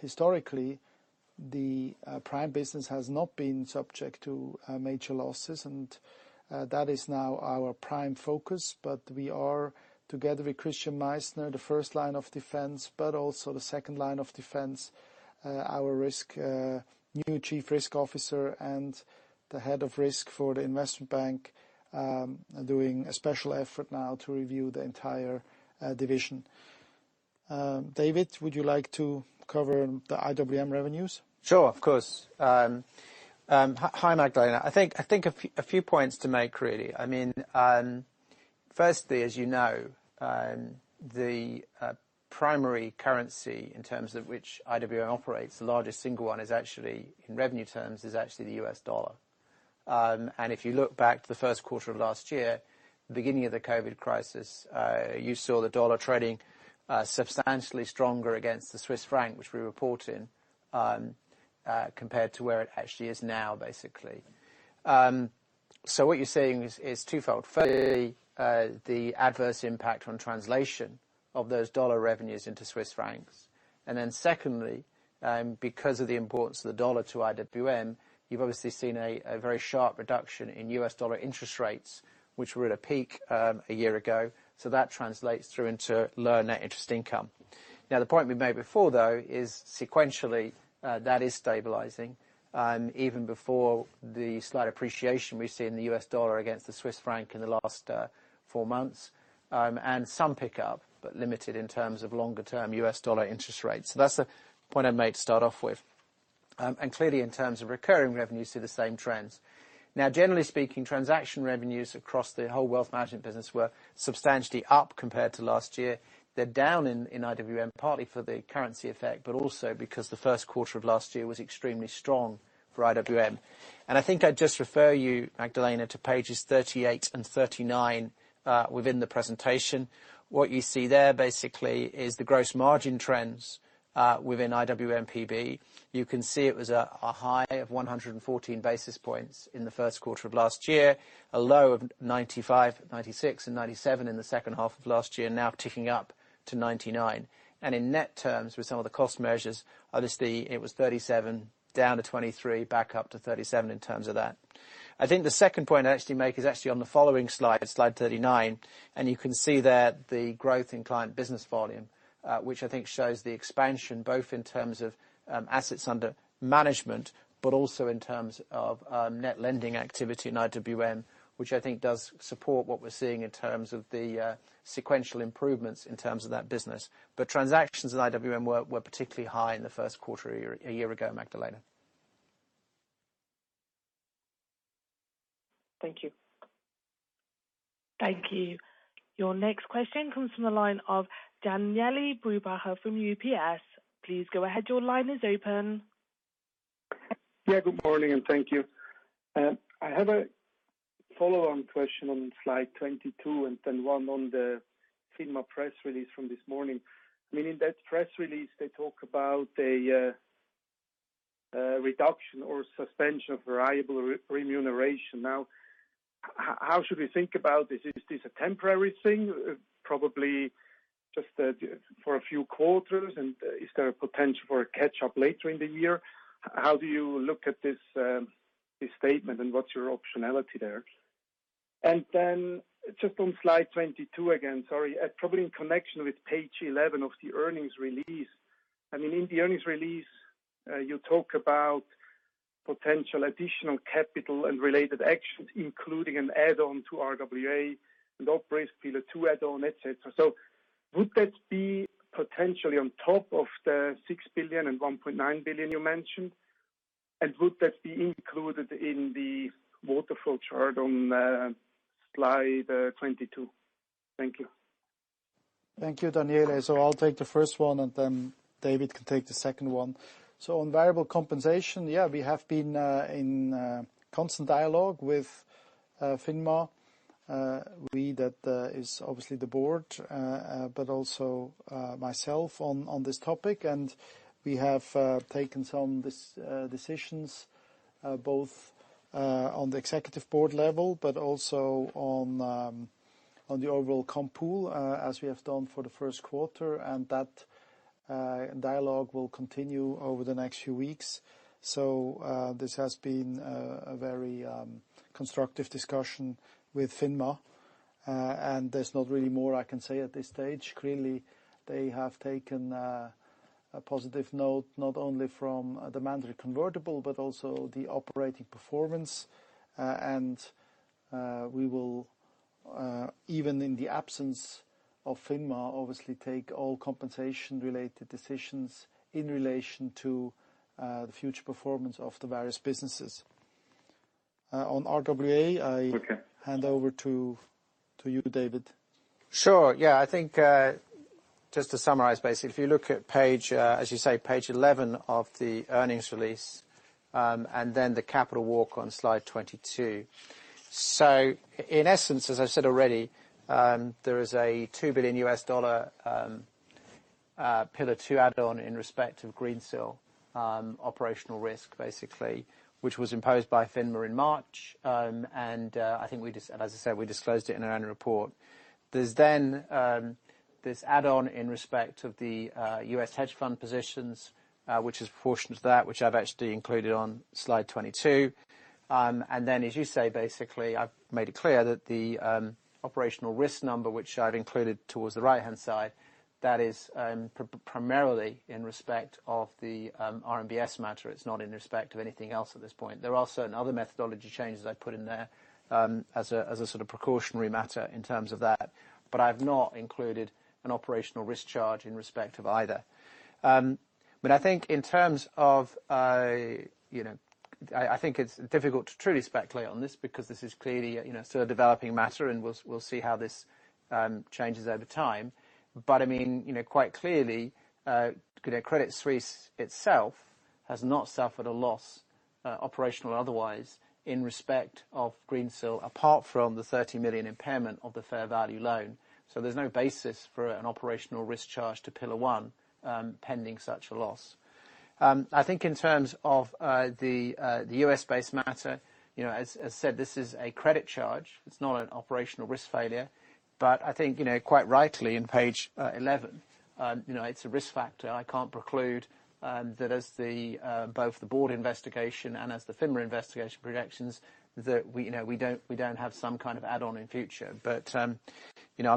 historically, the Prime business has not been subject to major losses, and that is now our prime focus. We are, together with Christian Meissner, the first line of defense, but also the second line of defense, our new chief risk officer and the head of risk for the investment bank, are doing a special effort now to review the entire division. David, would you like to cover the IWM revenues? Sure. Of course. Hi, Magdalena. I think a few points to make, really. Firstly, as you know, the primary currency in terms of which IWM operates, the largest single one, in revenue terms, is actually the US dollar. If you look back to the first quarter of last year, the beginning of the COVID-19 crisis, you saw the dollar trading substantially stronger against the Swiss franc, which we report in, compared to where it actually is now, basically. What you're seeing is twofold. Firstly, the adverse impact on translation of those dollar revenues into Swiss francs. Secondly, because of the importance of the dollar to IWM, you've obviously seen a very sharp reduction in US dollar interest rates, which were at a peak a year ago. That translates through into lower net interest income. The point we made before, though, is sequentially, that is stabilizing, even before the slight appreciation we see in the US dollar against the Swiss franc in the last four months, and some pickup, but limited in terms of longer-term US dollar interest rates. That's the point I'd make to start off with. Clearly, in terms of recurring revenues, you see the same trends. Generally speaking, transaction revenues across the whole wealth management business were substantially up compared to last year. They're down in IWM, partly for the currency effect, but also because the first quarter of last year was extremely strong for IWM. I think I'd just refer you, Magdalena, to pages 38 and 39 within the presentation. What you see there, basically, is the gross margin trends within IWM PB. You can see it was a high of 114 basis points in the first quarter of last year, a low of 95, 96, and 97 in the second half of last year, now ticking up to 99. In net terms, with some of the cost measures, obviously, it was 37 down to 23, back up to 37 in terms of that. I think the second point I actually make is actually on the following slide 39. You can see there the growth in client business volume, which I think shows the expansion both in terms of assets under management, but also in terms of net lending activity in IWM, which I think does support what we're seeing in terms of the sequential improvements in terms of that business. Transactions in IWM were particularly high in the first quarter a year ago, Magdalena. Thank you. Thank you. Your next question comes from the line of Daniele Brupbacher from UBS. Please go ahead. Your line is open. Yeah, good morning, thank you. I have a follow-on question on slide 22, one on the FINMA press release from this morning. In that press release, they talk about a reduction or suspension of variable remuneration. How should we think about this? Is this a temporary thing? Probably just for a few quarters, is there a potential for a catch-up later in the year? How do you look at this statement, what's your optionality there? Just on slide 22 again, sorry, probably in connection with page 11 of the earnings release. In the earnings release, you talk about potential additional capital and related actions, including an add-on to RWA, low base fee, the Pillar 2 add-on, et cetera. Would that be potentially on top of the 6 billion and 1.9 billion you mentioned? Would that be included in the waterfall chart on slide 22? Thank you. Thank you, Daniele. I'll take the first one, and then David can take the second one. On variable compensation, yeah, we have been in constant dialogue with FINMA. We, that is obviously the board, but also myself on this topic. We have taken some decisions, both on the executive board level, but also on the overall comp pool, as we have done for the first quarter. That dialogue will continue over the next few weeks. This has been a very constructive discussion with FINMA, and there's not really more I can say at this stage. Clearly, they have taken a positive note, not only from the mandatory convertible, but also the operating performance. We will, even in the absence of FINMA, obviously take all compensation-related decisions in relation to the future performance of the various businesses. On RWA, I hand over to you, David. Sure. Yeah. I think just to summarize, basically, if you look at page, as you say, page 11 of the earnings release, and then the capital walk on slide 22. In essence, as I said already, there is a $2 billion Pillar 2 add-on in respect of Greensill operational risk, basically, which was imposed by FINMA in March. I think, as I said, we disclosed it in our annual report. There's then this add-on in respect of the U.S. hedge fund positions, which is proportionate to that, which I've actually included on slide 22. Then, as you say, basically, I've made it clear that the operational risk number, which I've included towards the right-hand side, that is primarily in respect of the RMBS matter. It's not in respect of anything else at this point. There are certain other methodology changes I put in there as a sort of precautionary matter in terms of that, but I've not included an operational risk charge in respect of either. I think it's difficult to truly speculate on this because this is clearly a still-developing matter, and we'll see how this changes over time. Quite clearly, Credit Suisse itself has not suffered a loss, operational or otherwise, in respect of Greensill, apart from the 30 million impairment of the fair value loan. There's no basis for an operational risk charge to Pillar 1 pending such a loss. I think in terms of the U.S.-based matter, as I said, this is a credit charge. It's not an operational risk failure. I think quite rightly, in page 11, it's a risk factor. I can't preclude that as both the board investigation and as the FINMA investigation projections, that we don't have some kind of add-on in future. I'm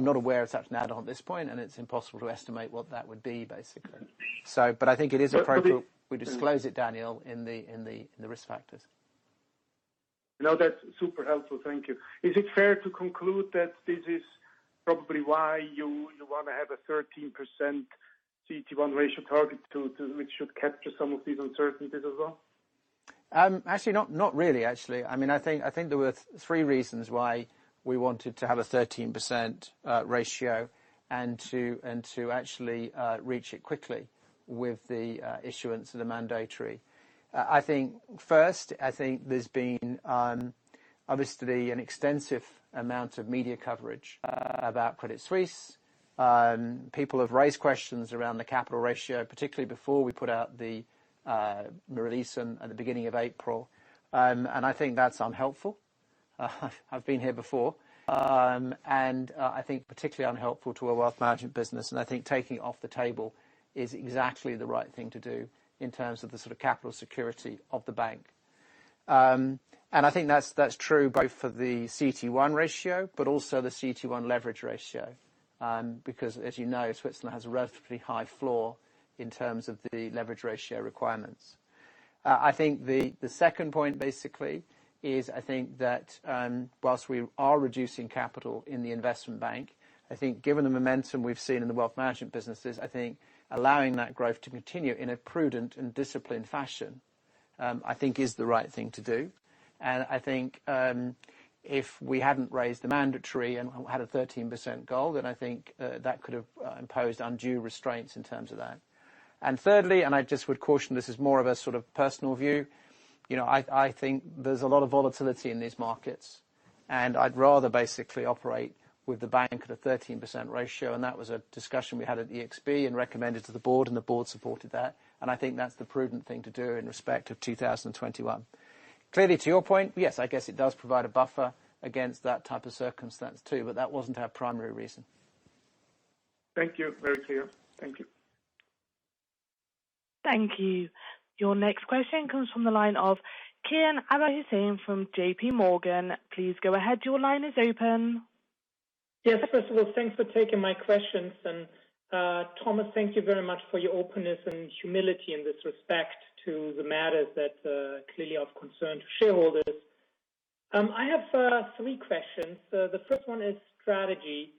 not aware of such an add-on at this point, and it's impossible to estimate what that would be, basically. I think it is appropriate we disclose it, Daniele, in the risk factors. No, that's super helpful. Thank you. Is it fair to conclude that this is probably why you want to have a 13% CET1 ratio target, which should capture some of these uncertainties as well? Not really, actually. I think there were three reasons why we wanted to have a 13% ratio and to actually reach it quickly with the issuance of the mandatory. I think first, I think there's been obviously an extensive amount of media coverage about Credit Suisse. People have raised questions around the capital ratio, particularly before we put out the release at the beginning of April, and I think that's unhelpful. I've been here before. I think particularly unhelpful to a wealth management business, and I think taking it off the table is exactly the right thing to do in terms of the sort of capital security of the bank. I think that's true both for the CET1 ratio, but also the CET1 leverage ratio. Because as you know, Switzerland has a relatively high floor in terms of the leverage ratio requirements. I think the second point, basically, is I think that whilst we are reducing capital in the investment bank, I think given the momentum we've seen in the wealth management businesses, I think allowing that growth to continue in a prudent and disciplined fashion, I think is the right thing to do. I think if we hadn't raised the mandatory and had a 13% goal, then I think that could have imposed undue restraints in terms of that. Thirdly, and I just would caution, this is more of a sort of personal view. I think there's a lot of volatility in these markets, and I'd rather basically operate with the bank at a 13% ratio, and that was a discussion we had at ExB and recommended to the board, and the board supported that, and I think that's the prudent thing to do in respect of 2021. Clearly, to your point, yes, I guess it does provide a buffer against that type of circumstance too, but that wasn't our primary reason. Thank you. Very clear. Thank you. Thank you. Your next question comes from the line of Kian Abouhossein from JPMorgan. Please go ahead. Your line is open. Yes. First of all, thanks for taking my questions. Thomas, thank you very much for your openness and humility in this respect to the matters that are clearly of concern to shareholders. I have three questions. The first one is strategy.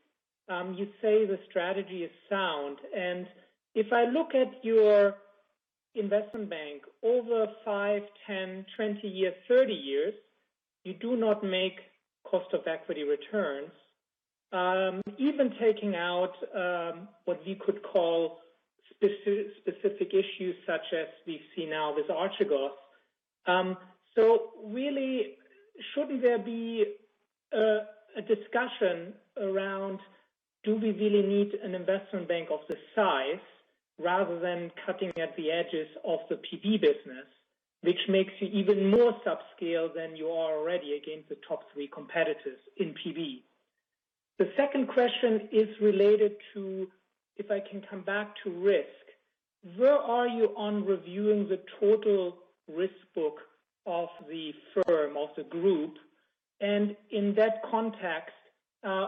You say the strategy is sound, if I look at your investment bank over five, 10, 20-years, 30-years, you do not make cost of equity returns. Even taking out what we could call specific issues such as we see now with Archegos. Really, shouldn't there be a discussion around, do we really need an investment bank of this size rather than cutting at the edges of the PB business, which makes you even more subscale than you are already against the top three competitors in PB? The second question is related to, if I can come back to risk. Where are you on reviewing the total risk book of the firm, of the group? In that context,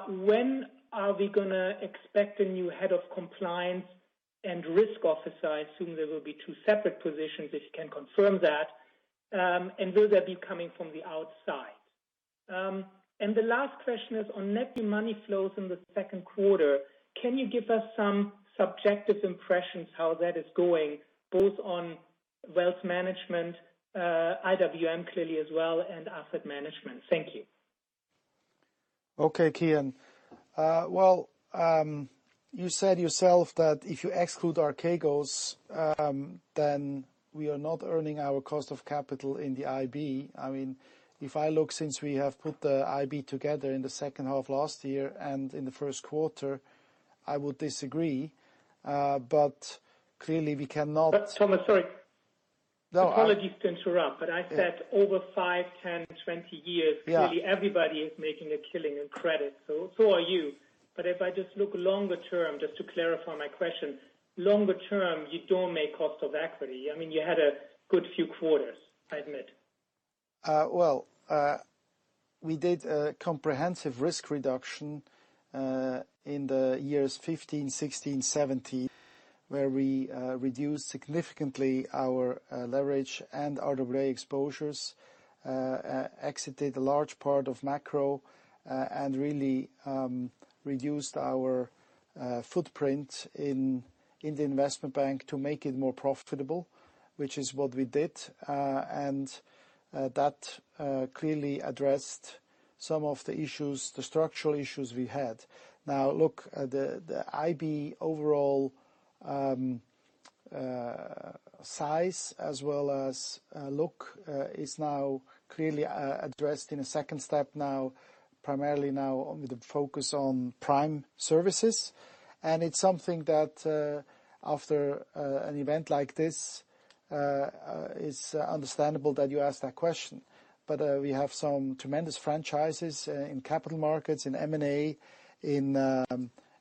when are we going to expect a new Head of Compliance and Risk Officer? I assume there will be two separate positions, if you can confirm that. Will they be coming from the outside? The last question is on net new money flows in the second quarter, can you give us some subjective impressions how that is going, both on wealth management, IWM clearly as well, and Asset Management? Thank you. Okay, Kian. You said yourself that if you exclude Archegos, then we are not earning our cost of capital in the IB. If I look since we have put the IB together in the second half of last year and in the first quarter, I would disagree. Clearly, we cannot. Thomas, sorry. No. Apologies to interrupt. I said over five, 10, 20-years. Yeah. clearly everybody is making a killing in credit, so are you. If I just look longer term, just to clarify my question, longer term, you don't make cost of equity. You had a good few quarters, I admit. Well, we did a comprehensive risk reduction in the years 2015, 2016, 2017, where we reduced significantly our leverage and RWA exposures, exited a large part of macro, and really reduced our footprint in the Investment Bank to make it more profitable, which is what we did. That clearly addressed some of the issues, the structural issues we had. Now, look, the IB overall size as well as look is now clearly addressed in a second step now, primarily now with the focus on Prime Services. It's something that, after an event like this, is understandable that you ask that question. We have some tremendous franchises in capital markets, in M&A, in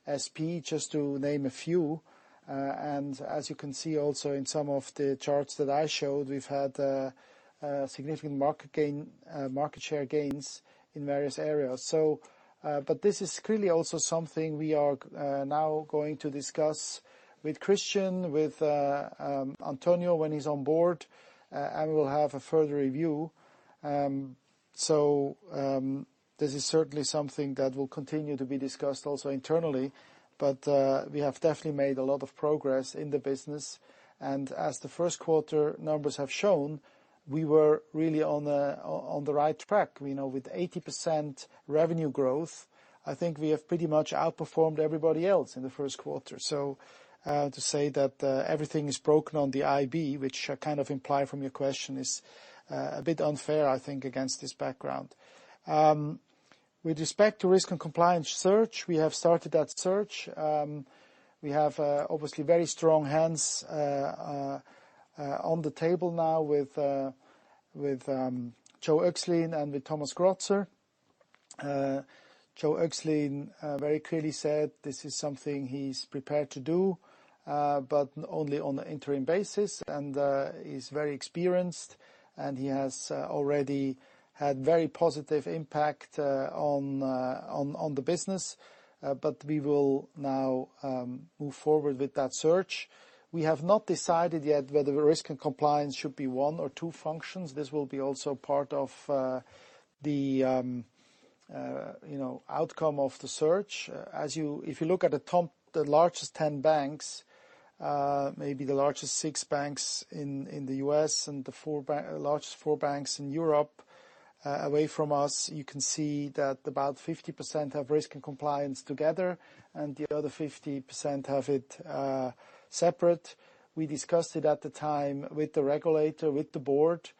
SP, just to name a few. As you can see also in some of the charts that I showed, we've had significant market share gains in various areas. This is clearly also something we are now going to discuss with Christian Meissner, with António Horta-Osório, when he's on board, and we'll have a further review. This is certainly something that will continue to be discussed also internally. We have definitely made a lot of progress in the business. As the first quarter numbers have shown, we were really on the right track. With 80% revenue growth, I think we have pretty much outperformed everybody else in the first quarter. To say that everything is broken on the IB, which kind of implied from your question, is a bit unfair, I think, against this background. With respect to risk and compliance search, we have started that search. We have obviously very strong hands on the table now with Joachim Oechslin and with Thomas Grotzer. Joachim Oechslin very clearly said this is something he's prepared to do, but only on an interim basis. He's very experienced, and he has already had very positive impact on the business. We will now move forward with that search. We have not decided yet whether risk and compliance should be one or two functions. This will be also part of the outcome of the search. If you look at the largest 10 banks, maybe the largest six banks in the U.S. and the largest four banks in Europe, away from us, you can see that about 50% have risk and compliance together, and the other 50% have it separate. We discussed it at the time with the regulator, with the board.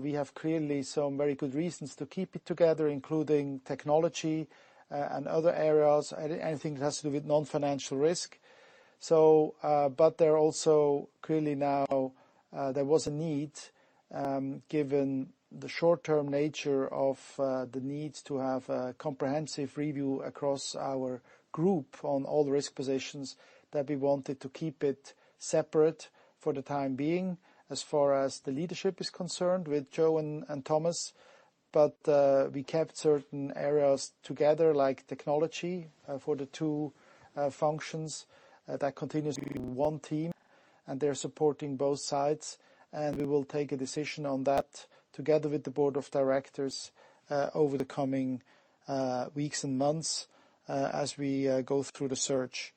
We have clearly some very good reasons to keep it together, including technology and other areas, anything that has to do with non-financial risk. There also clearly now there was a need, given the short-term nature of the needs, to have a comprehensive review across our group on all the risk positions that we wanted to keep it separate for the time being as far as the leadership is concerned with Joe and Thomas. We kept certain areas together, like technology for the two functions. That continues to be one team, and they're supporting both sides. We will take a decision on that together with the board of directors over the coming weeks and months as we go through the search.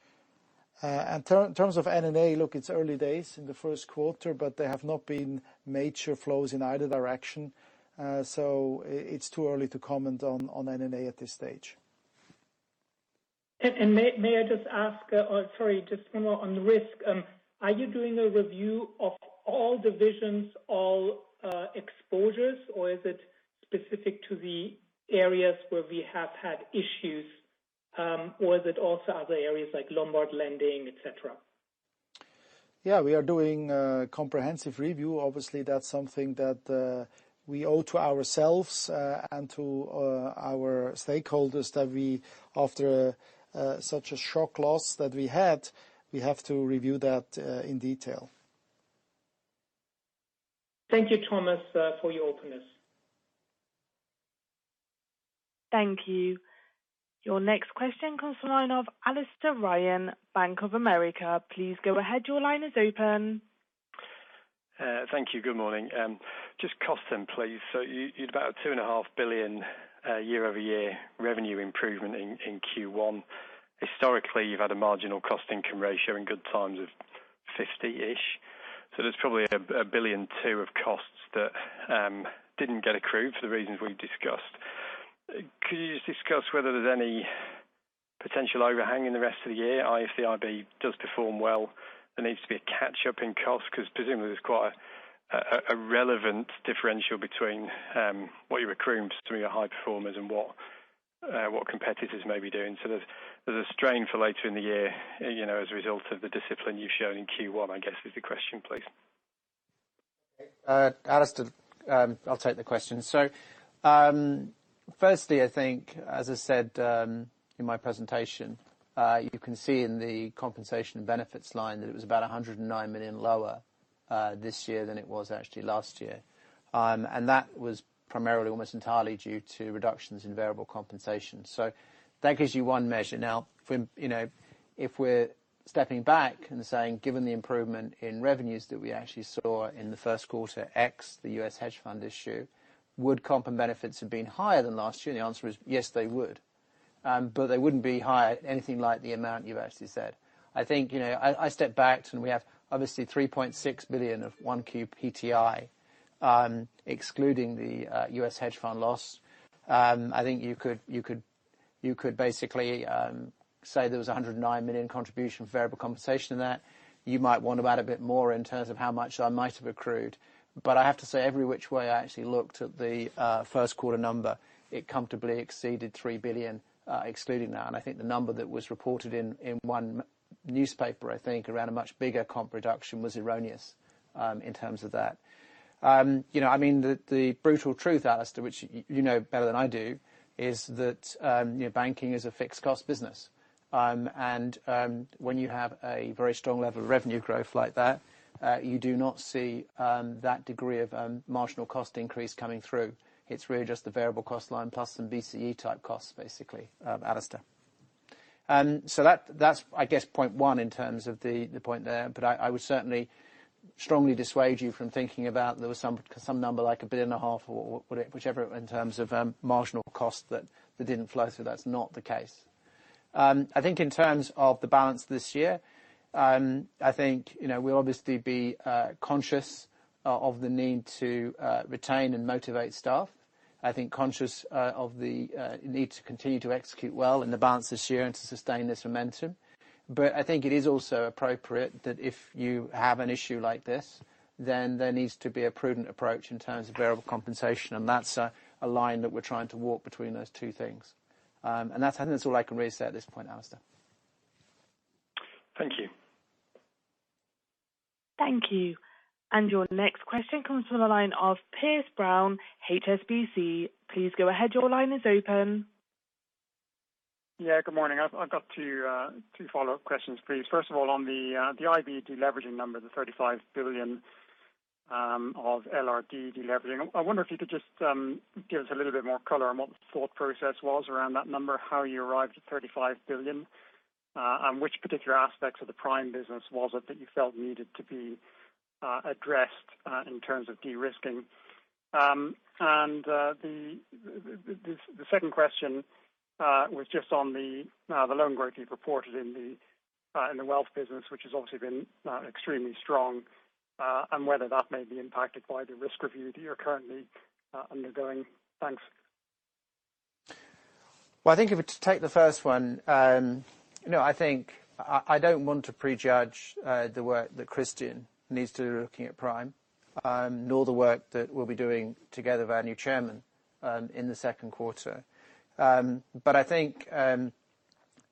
In terms of NNA, look, it's early days in the first quarter, but there have not been major flows in either direction. It's too early to comment on NNA at this stage. May I just ask, sorry, just one more on risk. Are you doing a review of all divisions, all exposures, or is it specific to the areas where we have had issues? Is it also other areas like Lombard lending, et cetera? We are doing a comprehensive review. Obviously, that's something that we owe to ourselves, and to our stakeholders that after such a shock loss that we had, we have to review that in detail. Thank you, Thomas, for your openness. Thank you. Your next question comes to the line of Alastair Ryan, Bank of America. Please go ahead. Thank you. Good morning. Just cost then, please. You had about 2.5 billion year-over-year revenue improvement in Q1. Historically, you've had a marginal cost income ratio in good times of 50%. There's probably 1.2 billion of costs that didn't get accrued for the reasons we've discussed. Could you just discuss whether there's any potential overhang in the rest of the year, i.e., if the IB does perform well, there needs to be a catch-up in cost, because presumably there's quite a relevant differential between what you're accruing through your high performers and what competitors may be doing. There's a strain for later in the year, as a result of the discipline you've shown in Q1, I guess is the question, please. Alastair, I'll take the question. Firstly, I think as I said in my presentation, you can see in the compensation benefits line that it was about 109 million lower this year than it was actually last year. That was primarily almost entirely due to reductions in variable compensation. That gives you one measure. Now, if we're stepping back and saying, given the improvement in revenues that we actually saw in the first quarter, X the U.S. hedge fund issue, would comp and benefits have been higher than last year? The answer is, yes, they would. They wouldn't be higher anything like the amount you've actually said. I think I step back to when we have obviously 3.6 billion of 1Q PTI, excluding the U.S. hedge fund loss. I think you could basically say there was 109 million contribution for variable compensation in that. You might want to add a bit more in terms of how much I might have accrued. I have to say every which way I actually looked at the first quarter number, it comfortably exceeded 3 billion excluding that. I think the number that was reported in one newspaper, around a much bigger comp reduction was erroneous in terms of that. The brutal truth, Alastair, which you know better than I do, is that banking is a fixed cost business. When you have a very strong level of revenue growth like that, you do not see that degree of marginal cost increase coming through. It's really just the variable cost line plus some BCE type costs, basically, Alastair. That's I guess point one in terms of the point there, but I would certainly strongly dissuade you from thinking about there was some number like 1.5 billion or whichever in terms of marginal cost that didn't flow through. That's not the case. In terms of the balance this year, I think we'll obviously be conscious of the need to retain and motivate staff. Conscious of the need to continue to execute well in the balance this year and to sustain this momentum. I think it is also appropriate that if you have an issue like this, then there needs to be a prudent approach in terms of variable compensation. That's a line that we're trying to walk between those two things. I think that's all I can really say at this point, Alastair. Thank you. Thank you. Your next question comes from the line of Piers Brown, HSBC. Please go ahead. Yeah, good morning. I've got two follow-up questions, please. First of all, on the IB deleveraging number, the 35 billion of LRD deleveraging. I wonder if you could just give us a little bit more color on what the thought process was around that number, how you arrived at 35 billion. Which particular aspects of the Prime business was it that you felt needed to be addressed in terms of de-risking. The second question was just on the loan growth you've reported in the wealth business, which has obviously been extremely strong. Whether that may be impacted by the risk review that you're currently undergoing. Thanks. I think if you take the first one, I think I don't want to prejudge the work that Christian needs to do looking at Prime, nor the work that we'll be doing together with our new chairman in the second quarter. I think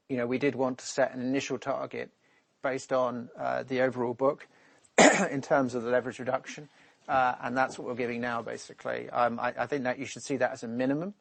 we did want to set an initial target based on the overall book in terms of the leverage reduction. That's what we're giving now, basically. I think that you should see that as a minimum,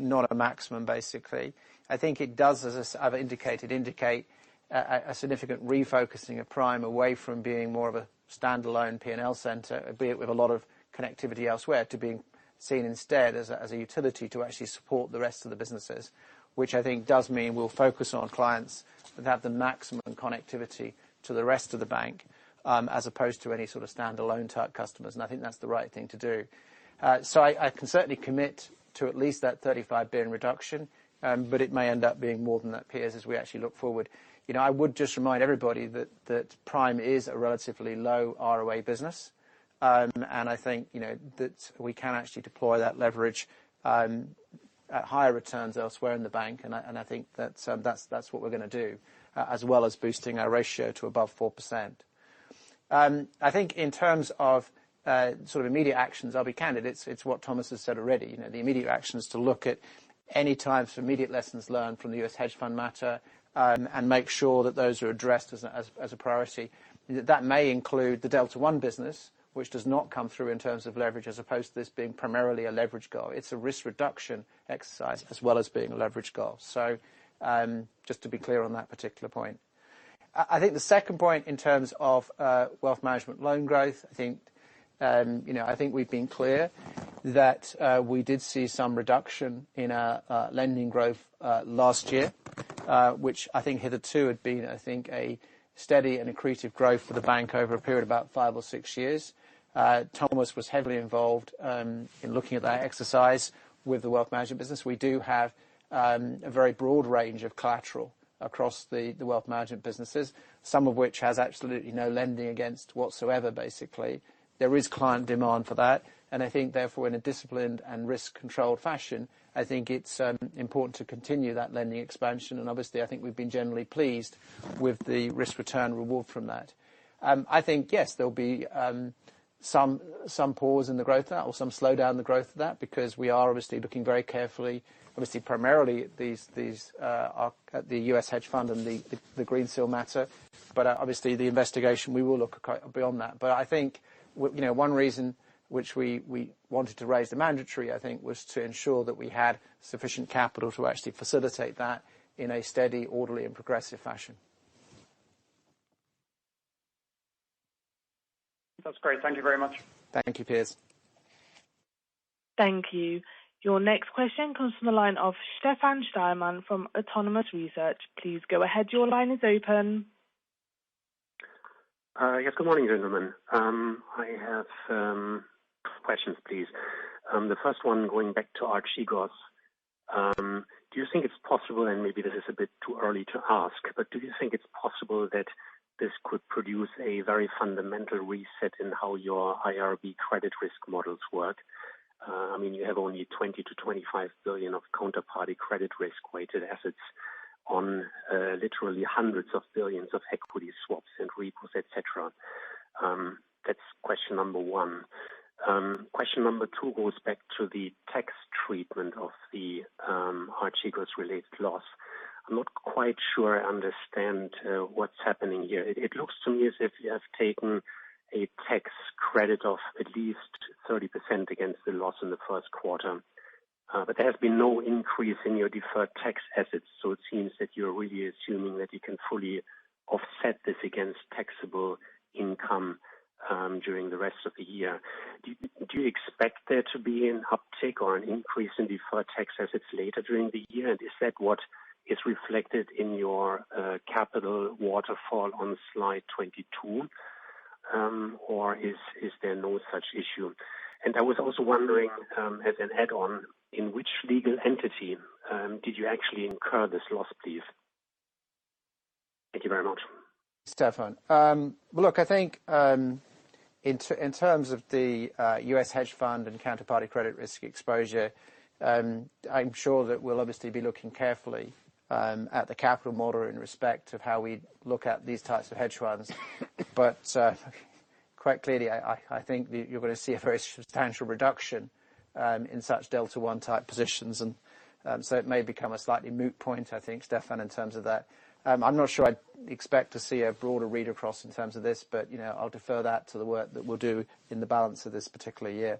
not a maximum, basically. I think it does, as I've indicated, indicate a significant refocusing of Prime away from being more of a standalone P&L center, be it with a lot of connectivity elsewhere to being seen instead as a utility to actually support the rest of the businesses, which I think does mean we'll focus on clients that have the maximum connectivity to the rest of the bank, as opposed to any sort of standalone type customers, and I think that's the right thing to do. I can certainly commit to at least that 35 billion reduction, but it may end up being more than that, Piers, as we actually look forward. I would just remind everybody that Prime is a relatively low ROA business. I think that we can actually deploy that leverage at higher returns elsewhere in the bank, and I think that's what we're going to do, as well as boosting our ratio to above 4%. I think in terms of immediate actions, I'll be candid, it's what Thomas has said already. The immediate action is to look at any types of immediate lessons learned from the U.S. hedge fund matter and make sure that those are addressed as a priority. That may include the Delta One business, which does not come through in terms of leverage, as opposed to this being primarily a leverage goal. It's a risk reduction exercise as well as being a leverage goal. Just to be clear on that particular point. I think the second point in terms of wealth management loan growth, I think we've been clear that we did see some reduction in our lending growth last year, which I think hitherto had been, I think, a steady and accretive growth for the bank over a period of about five or six years. Thomas was heavily involved in looking at that exercise with the wealth management business. We do have a very broad range of collateral across the wealth management businesses, some of which has absolutely no lending against whatsoever, basically. There is client demand for that, I think therefore, in a disciplined and risk-controlled fashion, I think it's important to continue that lending expansion. Obviously, I think we've been generally pleased with the risk-return reward from that. I think, yes, there'll be some pause in the growth of that or some slowdown in the growth of that, because we are obviously looking very carefully, obviously primarily at the U.S. hedge fund and the Greensill matter. Obviously, the investigation, we will look beyond that. I think one reason which we wanted to raise the Mandatory, I think, was to ensure that we had sufficient capital to actually facilitate that in a steady, orderly, and progressive fashion. That's great. Thank you very much. Thank you, Piers. Thank you. Your next question comes from the line of Stefan Stalmann from Autonomous Research. Please go ahead. Your line is open. Yes, good morning, gentlemen. I have some questions, please. The first one, going back to Archegos. Do you think it's possible, and maybe this is a bit too early to ask, do you think it's possible that this could produce a very fundamental reset in how your IRB credit risk models work? You have only 20 billion-25 billion of counterparty credit risk-weighted assets on literally hundreds of billions of equity swaps and repos, et cetera. That's question number one. Question number two goes back to the tax treatment of the Archegos-related loss. I'm not quite sure I understand what's happening here. It looks to me as if you have taken a tax credit of at least 30% against the loss in the first quarter. There has been no increase in your deferred tax assets, so it seems that you're really assuming that you can fully offset this against taxable income during the rest of the year. Do you expect there to be an uptick or an increase in deferred tax assets later during the year? Is that what is reflected in your capital waterfall on slide 22? Or is there no such issue? I was also wondering, as an add-on, in which legal entity did you actually incur this loss, please? Thank you very much. Stefan. Look, I think in terms of the U.S. hedge fund and counterparty credit risk exposure, I'm sure that we'll obviously be looking carefully at the capital model in respect of how we look at these types of hedge funds. Quite clearly, I think you're going to see a very substantial reduction in such Delta One type positions. It may become a slightly moot point, I think, Stefan, in terms of that. I'm not sure I'd expect to see a broader read across in terms of this, but I'll defer that to the work that we'll do in the balance of this particular year.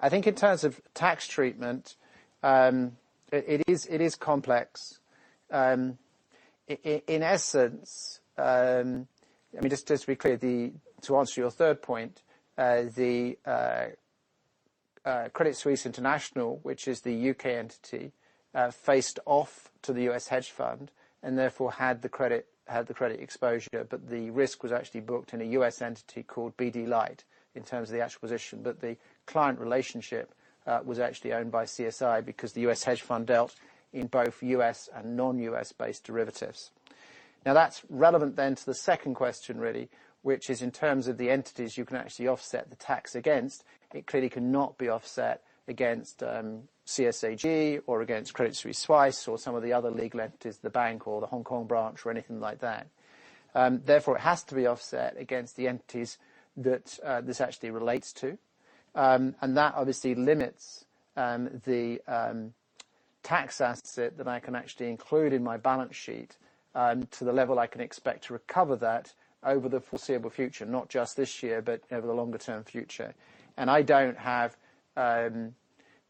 I think in terms of tax treatment, it is complex. In essence, I mean, just to be clear, to answer your third point, the Credit Suisse International, which is the U.K. entity, faced off to the U.S. hedge fund and therefore had the credit exposure. The risk was actually booked in a U.S. entity called BD Lit in terms of the acquisition. The client relationship was actually owned by CSi because the U.S. hedge fund dealt in both U.S. and non-U.S.-based derivatives. That's relevant then to the second question, really, which is in terms of the entities you can actually offset the tax against. It clearly cannot be offset against CSAG or against Credit Suisse Swiss or some of the other legal entities, the bank or the Hong Kong branch or anything like that. It has to be offset against the entities that this actually relates to. That obviously limits the tax asset that I can actually include in my balance sheet to the level I can expect to recover that over the foreseeable future, not just this year, but over the longer term future. I don't have an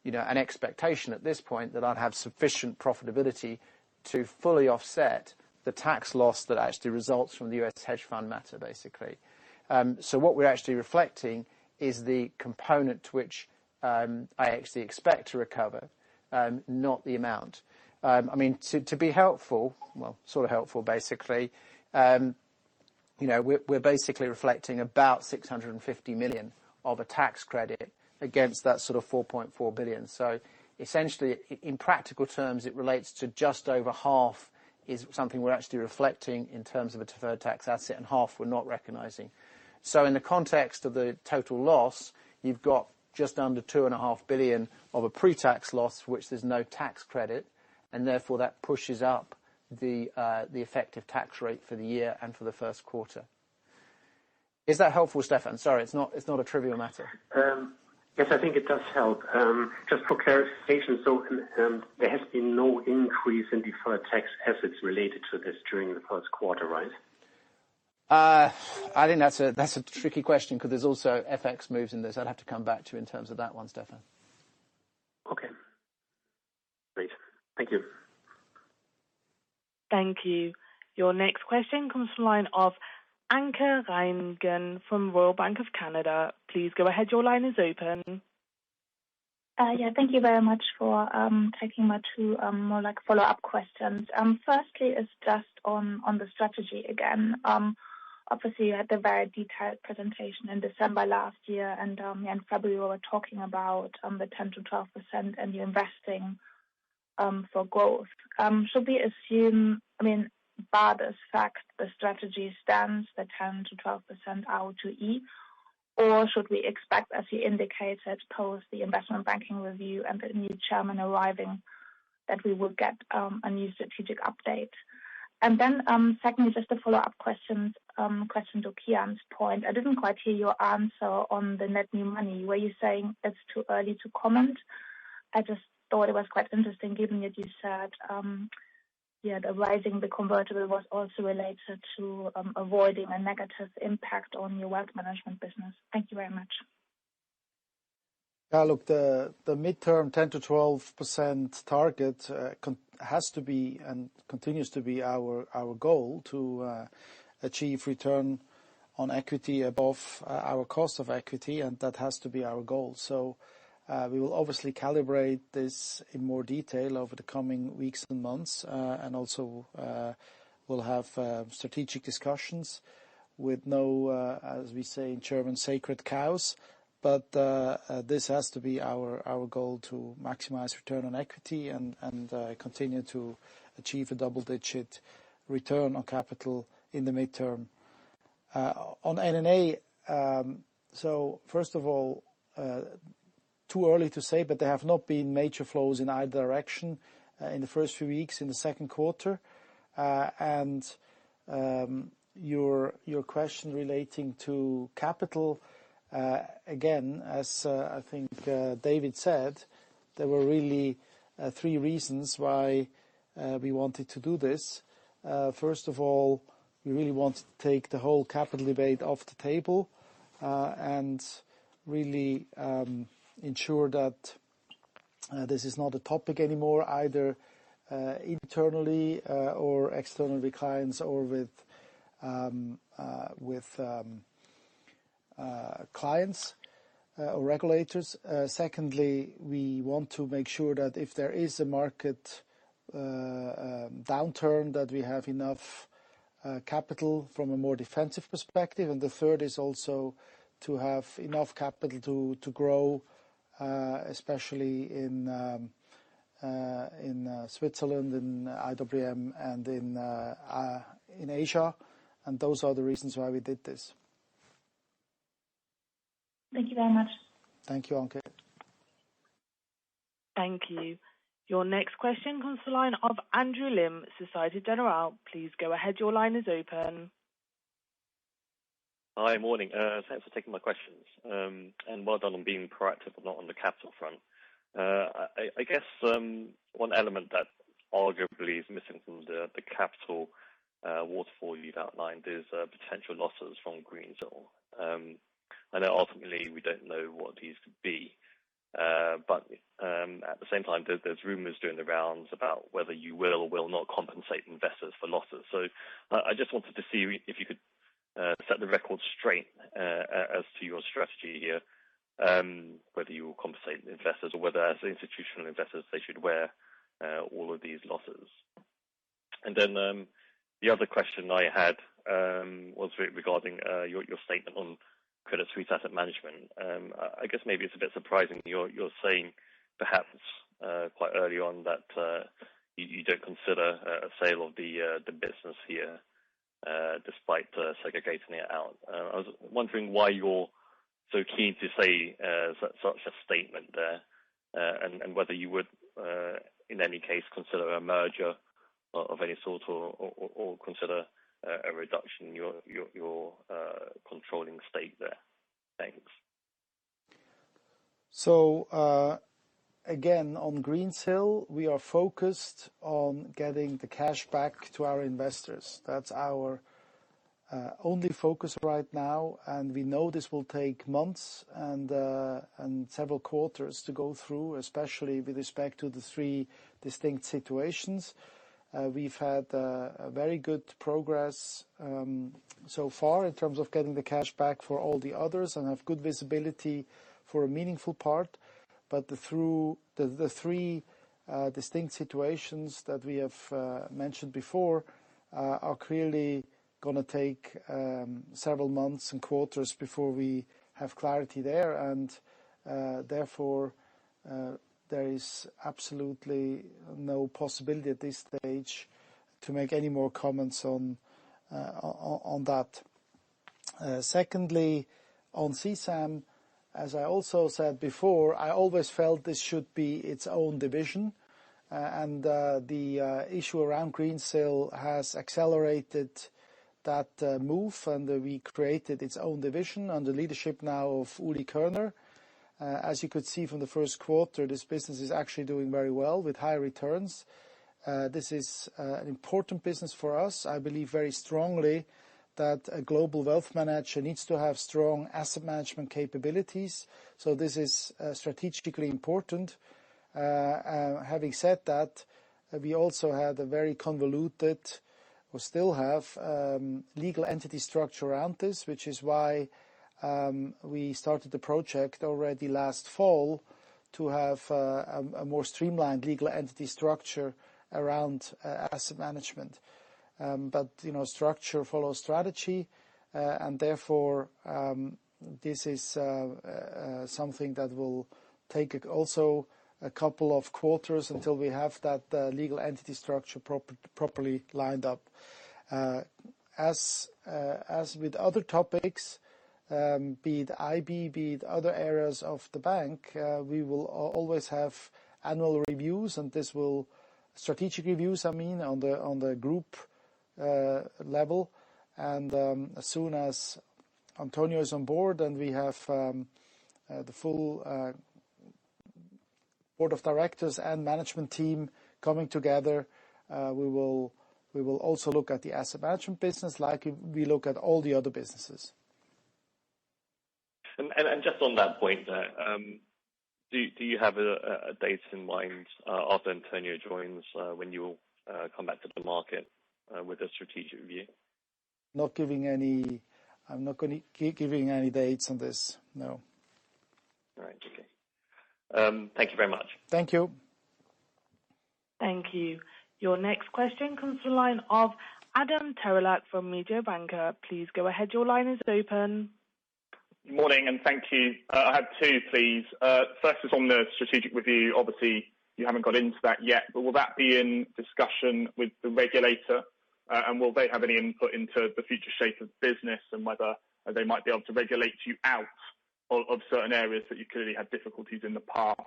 expectation at this point that I'd have sufficient profitability to fully offset the tax loss that actually results from the U.S. hedge fund matter, basically. What we're actually reflecting is the component which I actually expect to recover, not the amount. To be helpful, well, sort of helpful, basically. We're basically reflecting about 650 million of a tax credit against that sort of 4.4 billion. Essentially, in practical terms, it relates to just over half is something we're actually reflecting in terms of a deferred tax asset, and half we're not recognizing. In the context of the total loss, you've got just under 2.5 billion of a pre-tax loss, which there's no tax credit, and therefore that pushes up the effective tax rate for the year and for the first quarter. Is that helpful, Stefan? Sorry, it's not a trivial matter. Yes, I think it does help. Just for clarification, there has been no increase in deferred tax assets related to this during the first quarter, right? I think that's a tricky question because there's also FX moves in this. I'd have to come back to you in terms of that one, Stefan. Okay. Great. Thank you. Thank you. Your next question comes from the line of Anke Reingen from Royal Bank of Canada. Please go ahead. Your line is open. Yeah, thank you very much for taking my two more follow-up questions. Firstly is just on the strategy again. Obviously, you had a very detailed presentation in December last year and in February, we were talking about the 10%-12% and you investing for growth. Should we assume, bar this fact, the strategy stands the 10%-12% ROE, or should we expect, as you indicated, post the investment banking review and the new chairman arriving, that we will get a new strategic update? Secondly, just a follow-up question to Kian's point. I didn't quite hear your answer on the net new money. Were you saying it's too early to comment? I just thought it was quite interesting given that you said, yeah, the rising the convertible was also related to avoiding a negative impact on your wealth management business. Thank you very much. Look, the midterm 10%-12% target has to be and continues to be our goal to achieve return on equity above our cost of equity, and that has to be our goal. We will obviously calibrate this in more detail over the coming weeks and months and also we'll have strategic discussions with no, as we say in German, sacred cows. This has to be our goal to maximize return on equity and continue to achieve a double-digit return on capital in the midterm. On NNA, so first of all, too early to say, but there have not been major flows in either direction in the first few weeks in the second quarter. Your question relating to capital, again, as I think David said, there were really three reasons why we wanted to do this. First of all, we really want to take the whole capital debate off the table, and really ensure that this is not a topic anymore, either internally or externally with clients or regulators. Secondly, we want to make sure that if there is a market downturn, that we have enough capital from a more defensive perspective. The third is also to have enough capital to grow, especially in Switzerland, in IWM and in Asia. Those are the reasons why we did this. Thank you very much. Thank you, Anke. Thank you. Your next question comes to the line of Andrew Lim, Societe Generale. Please go ahead. Your line is open. Hi. Morning. Thanks for taking my questions. Well done on being proactive, but not on the capital front. I guess one element that arguably is missing from the capital waterfall you'd outlined is potential losses from Greensill. I know ultimately we don't know what these could be. At the same time, there's rumors doing the rounds about whether you will or will not compensate investors for losses. I just wanted to see if you could set the record straight as to your strategy here, whether you will compensate investors or whether as institutional investors, they should wear all of these losses. Then the other question I had was regarding your statement on Credit Suisse Asset Management. I guess maybe it's a bit surprising you're saying perhaps quite early on that you don't consider a sale of the business here despite segregating it out. I was wondering why you're so keen to say such a statement there, and whether you would, in any case, consider a merger of any sort or consider a reduction in your controlling stake there. Thanks. Again, on Greensill, we are focused on getting the cash back to our investors. That's our only focus right now, and we know this will take months and several quarters to go through, especially with respect to the three distinct situations. We've had very good progress so far in terms of getting the cash back for all the others and have good visibility for a meaningful part. Through the three distinct situations that we have mentioned before, are clearly going to take several months and quarters before we have clarity there. Therefore, there is absolutely no possibility at this stage to make any more comments on that. Secondly, on CSAM, as I also said before, I always felt this should be its own division. The issue around Greensill has accelerated that move, and we created its own division under leadership now of Uli Körner. As you could see from the first quarter, this business is actually doing very well with high returns. This is an important business for us. I believe very strongly that a global wealth manager needs to have strong asset management capabilities. This is strategically important. Having said that, we also had a very convoluted, or still have, legal entity structure around this, which is why we started the project already last fall to have a more streamlined legal entity structure around asset management. Structure follows strategy. Therefore, this is something that will take also a couple of quarters until we have that legal entity structure properly lined up. As with other topics, be it IB, be it other areas of the bank, we will always have annual reviews, strategic reviews, I mean, on the group level. As soon as António is on board and we have the full board of directors and management team coming together, we will also look at the asset management business like we look at all the other businesses. Just on that point, do you have a date in mind after António joins when you'll come back to the market with a strategic review? I'm not going to be giving any dates on this, no. All right. Okay. Thank you very much. Thank you. Thank you. Your next question comes from the line of Adam Terelak from Mediobanca. Please go ahead. Your line is open. Morning, thank you. I have two, please. First is on the strategic review. Obviously, you haven't got into that yet, but will that be in discussion with the regulator? Will they have any input into the future shape of business and whether they might be able to regulate you out of certain areas that you clearly had difficulties in the past?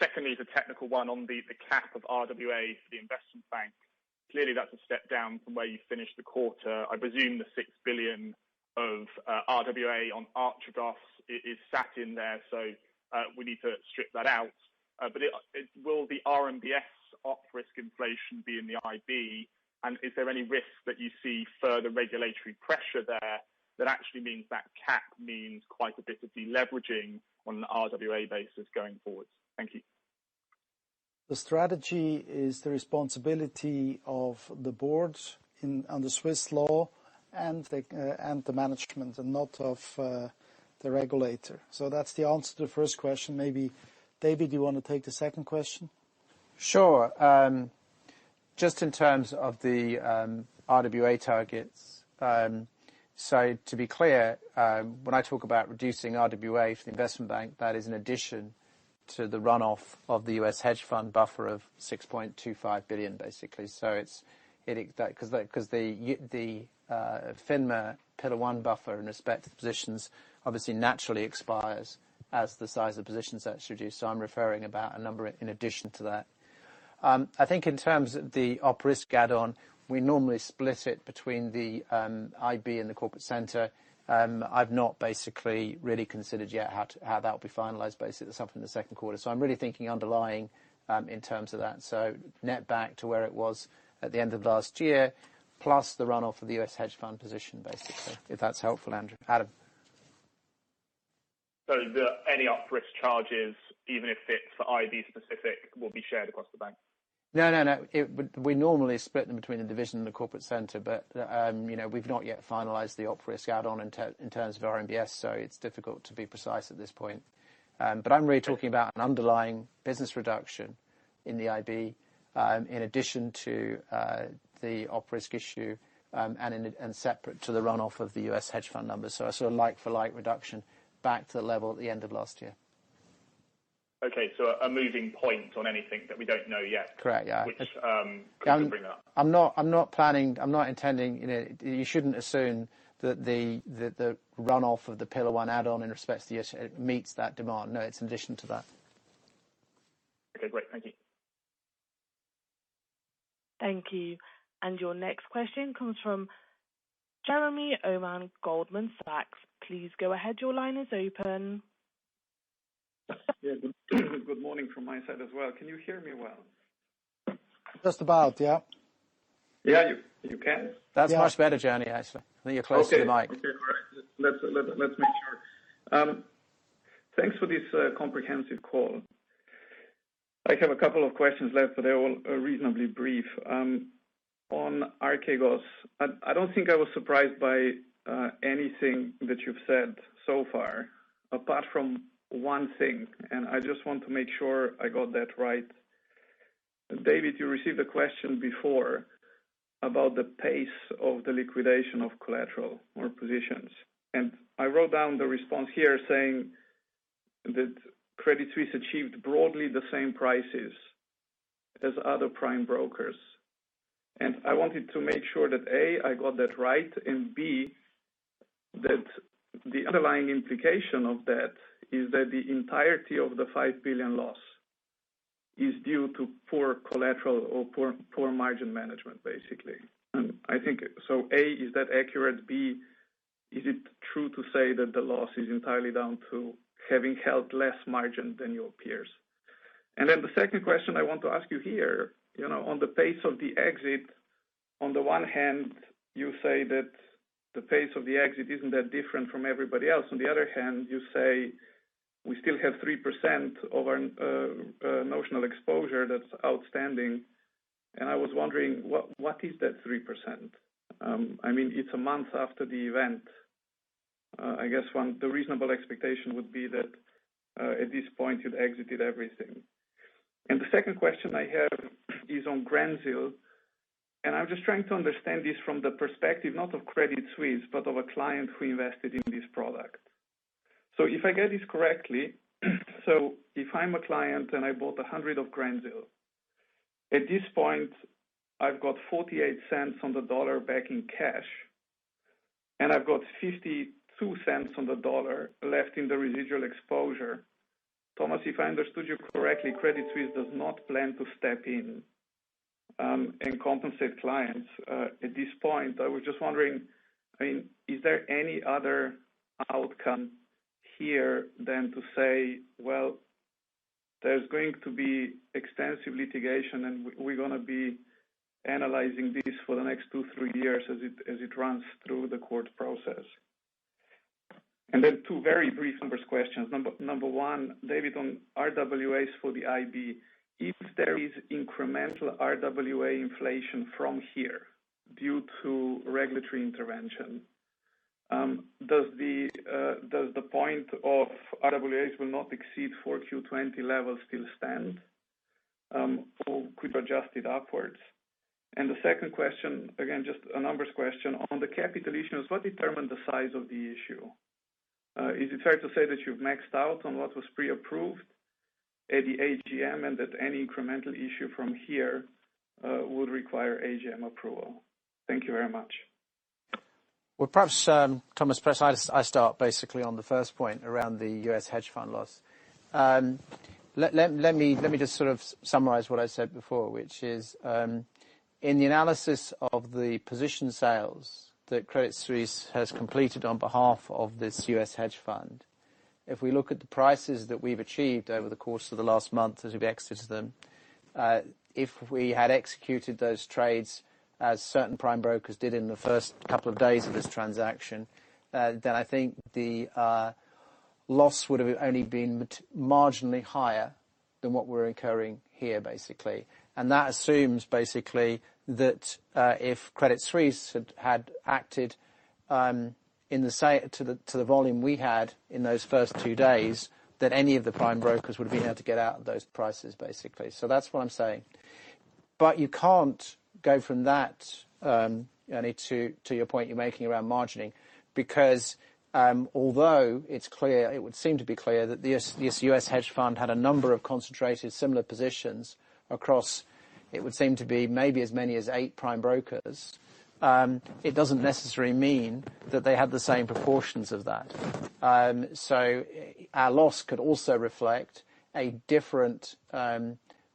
Secondly, the technical one on the cap of RWA for the investment bank. Clearly, that's a step down from where you finished the quarter. I presume the 6 billion of RWA on Archegos is sat in there, so we need to strip that out. Will the RMBS op risk inflation be in the IB? Is there any risk that you see further regulatory pressure there that actually means that cap means quite a bit of deleveraging on an RWA basis going forward? Thank you. The strategy is the responsibility of the board under Swiss law and the management, and not of the regulator. That's the answer to the first question. Maybe David, you want to take the second question? Sure. Just in terms of the RWA targets. To be clear, when I talk about reducing RWA for the Investment Bank, that is an addition to the runoff of the U.S. hedge fund buffer of 6.25 billion, basically. Because the FINMA Pillar 1 buffer in respect to the positions obviously naturally expires as the size of positions are reduced. I'm referring about a number in addition to that. I think in terms of the op risk add-on, we normally split it between the IB and the Corporate Center. I've not basically really considered yet how that will be finalized, basically. That's something in the second quarter. I'm really thinking underlying, in terms of that. Net back to where it was at the end of last year, plus the runoff of the U.S. hedge fund position, basically. If that's helpful, Adam. Any op risk charges, even if it's IB specific, will be shared across the bank? No, no. We normally split them between the division and the corporate center. We've not yet finalized the op risk add-on in terms of RMBS, so it's difficult to be precise at this point. I'm really talking about an underlying business reduction in the IB in addition to the op risk issue, and separate to the runoff of the U.S. hedge fund numbers. A sort of like for like reduction back to the level at the end of last year. Okay. A moving point on anything that we don't know yet. Correct, yeah. Which could bring that. You shouldn't assume that the runoff of the Pillar 1 add-on in respects to the issue, it meets that demand. No, it's in addition to that. Okay, great. Thank you. Thank you. Your next question comes from Jernej Omahen, Goldman Sachs. Please go ahead, your line is open. Yeah. Good morning from my side as well. Can you hear me well? Just about, yeah. Yeah, you can? Yeah. That's much better, Jernej Omahen, actually. I think you're close to the mic. Okay. Okay. All right. Let's make sure. Thanks for this comprehensive call. I have a couple of questions left, but they're all reasonably brief. On Archegos, I don't think I was surprised by anything that you've said so far, apart from one thing. I just want to make sure I got that right. David, you received a question before about the pace of the liquidation of collateral or positions. I wrote down the response here saying that Credit Suisse achieved broadly the same prices as other prime brokers. I wanted to make sure that, A, I got that right, and B, that the underlying implication of that is that the entirety of the 5 billion loss is due to poor collateral or poor margin management, basically. A, is that accurate? B, is it true to say that the loss is entirely down to having held less margin than your peers? The second question I want to ask you here, on the pace of the exit, on the one hand, you say that the pace of the exit isn't that different from everybody else. On the other hand, you say we still have 3% of our notional exposure that's outstanding. I was wondering, what is that 3%? It's a month after the event. I guess the reasonable expectation would be that, at this point, you've exited everything. The second question I have is on Greensill, and I'm just trying to understand this from the perspective, not of Credit Suisse, but of a client who invested in this product. If I get this correctly, so if I'm a client and I bought 100 of Greensill, at this point, I've got 0.48 back in cash, and I've got 0.52 left in the residual exposure. Thomas, if I understood you correctly, Credit Suisse does not plan to step in and compensate clients at this point. I was just wondering, is there any other outcome here than to say, well, there's going to be extensive litigation, and we're going to be analyzing this for the next two, three years as it runs through the court process? Two very brief numbers questions. Number one, David, on RWAs for the IB, if there is incremental RWA inflation from here due to regulatory intervention, does the point of RWAs will not exceed for 4Q20 levels still stand? Could we adjust it upwards? The second question, again, just a numbers question. On the capital issues, what determined the size of the issue? Is it fair to say that you've maxed out on what was pre-approved at the AGM and that any incremental issue from here would require AGM approval? Thank you very much. Well, perhaps, Thomas, I start basically on the first point around the U.S. hedge fund loss. Let me just sort of summarize what I said before, which is, in the analysis of the position sales that Credit Suisse has completed on behalf of this U.S. hedge fund, if we look at the prices that we've achieved over the course of the last month as we've exited them, if we had executed those trades as certain prime brokers did in the first couple of days of this transaction, then I think the loss would have only been marginally higher than what we're incurring here, basically. That assumes, basically, that if Credit Suisse had acted to the volume we had in those first two days, that any of the prime brokers would have been able to get out at those prices, basically. That's what I'm saying. You can't go from that, Gianni, to your point you're making around margining, because although it would seem to be clear that the U.S. hedge fund had a number of concentrated similar positions across, it would seem to be maybe as many as eight prime brokers, it doesn't necessarily mean that they had the same proportions of that. Our loss could also reflect a different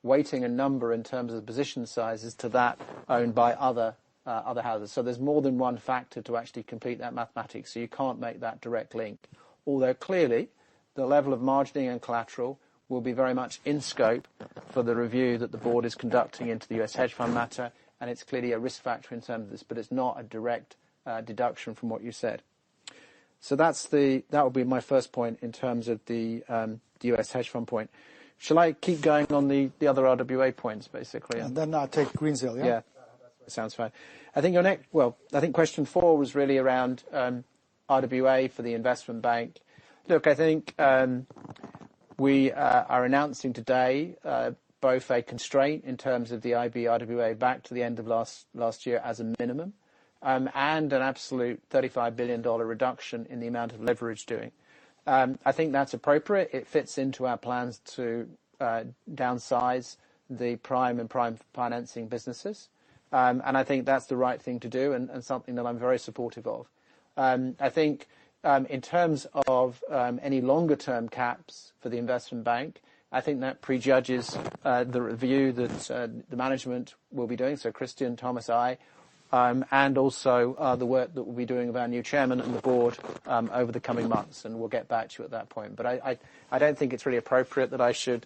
weighting and number in terms of the position sizes to that owned by other houses. There's more than one factor to actually complete that mathematics, so you can't make that direct link. Although clearly, the level of margining and collateral will be very much in scope for the review that the Board is conducting into the U.S. hedge fund matter, and it's clearly a risk factor in terms of this, but it's not a direct deduction from what you said. That would be my first point in terms of the U.S. hedge fund point. Shall I keep going on the other RWA points, basically? I'll take Greensill, yeah? Yeah. That sounds fine. I think question four was really around RWA for the investment bank. I think we are announcing today both a constraint in terms of the IB RWA back to the end of last year as a minimum, and an absolute CHF 35 billion reduction in the amount of leverage doing. I think that's appropriate. It fits into our plans to downsize the prime and prime financing businesses. I think that's the right thing to do and something that I'm very supportive of. I think in terms of any longer term caps for the investment bank, I think that prejudges the review that the management will be doing. Christian, Thomas, I, also the work that we'll be doing with our new chairman and the board over the coming months, we'll get back to you at that point. I don't think it's really appropriate that I should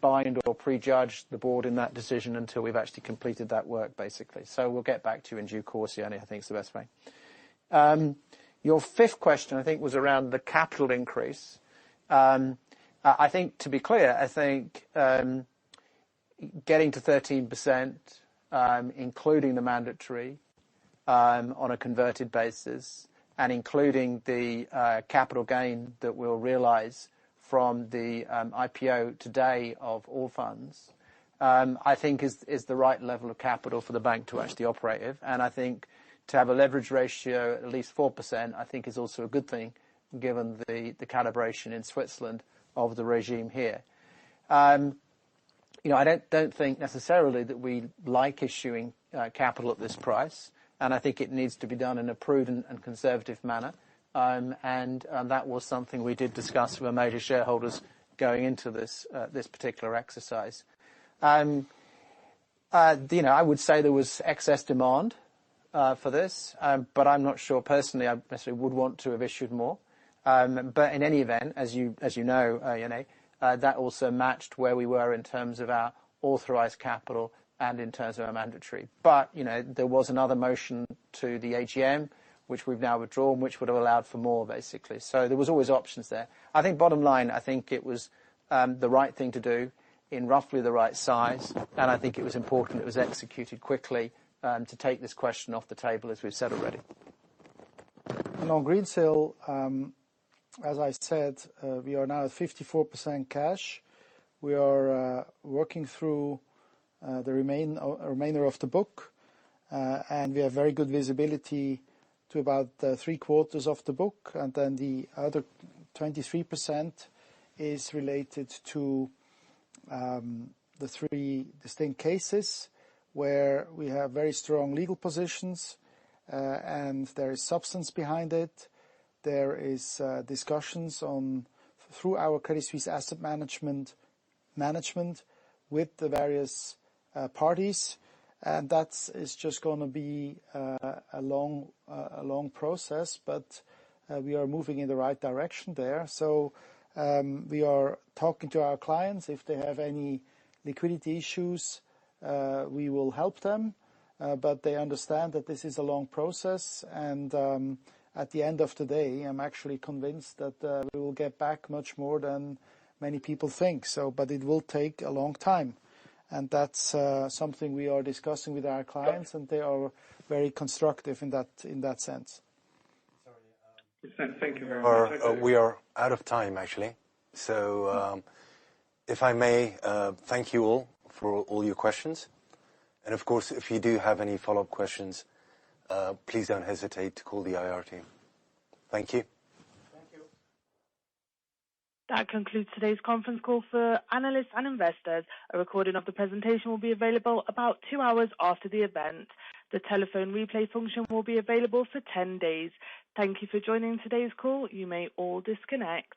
bind or prejudge the board in that decision until we've actually completed that work, basically. We'll get back to you in due course, Yannick. I think it's the best way. Your fifth question, I think, was around the capital increase. To be clear, I think getting to 13%, including the mandatory, on a converted basis, and including the capital gain that we'll realize from the IPO today of Allfunds, I think is the right level of capital for the bank to actually operate. I think to have a leverage ratio at least 4%, I think is also a good thing given the calibration in Switzerland of the regime here. I don't think necessarily that we like issuing capital at this price, and I think it needs to be done in a prudent and conservative manner. That was something we did discuss with our major shareholders going into this particular exercise. I would say there was excess demand for this, but I'm not sure personally I necessarily would want to have issued more. In any event, as you know Yannick, that also matched where we were in terms of our authorized capital and in terms of our mandatory. There was another motion to the AGM, which we've now withdrawn, which would've allowed for more, basically. There was always options there. I think bottom line, I think it was the right thing to do in roughly the right size, and I think it was important it was executed quickly to take this question off the table, as we've said already. On Greensill, as I said, we are now at 54% cash. We are working through the remainder of the book, and we have very good visibility to about three quarters of the book, and then the other 23% is related to the three distinct cases where we have very strong legal positions, and there is substance behind it. There is discussions through our Credit Suisse Asset Management with the various parties, and that is just going to be a long process. We are moving in the right direction there. We are talking to our clients. If they have any liquidity issues, we will help them. They understand that this is a long process and at the end of the day, I'm actually convinced that we will get back much more than many people think. It will take a long time, and that's something we are discussing with our clients, and they are very constructive in that sense. Sorry. Kinner Lakhani, thank you very much. We are out of time, actually. If I may, thank you all for all your questions. Of course, if you do have any follow-up questions, please don't hesitate to call the IR team. Thank you. Thank you. That concludes today's conference call for analysts and investors. A recording of the presentation will be available about two hours after the event. The telephone replay function will be available for 10-days. Thank you for joining today's call. You may all disconnect.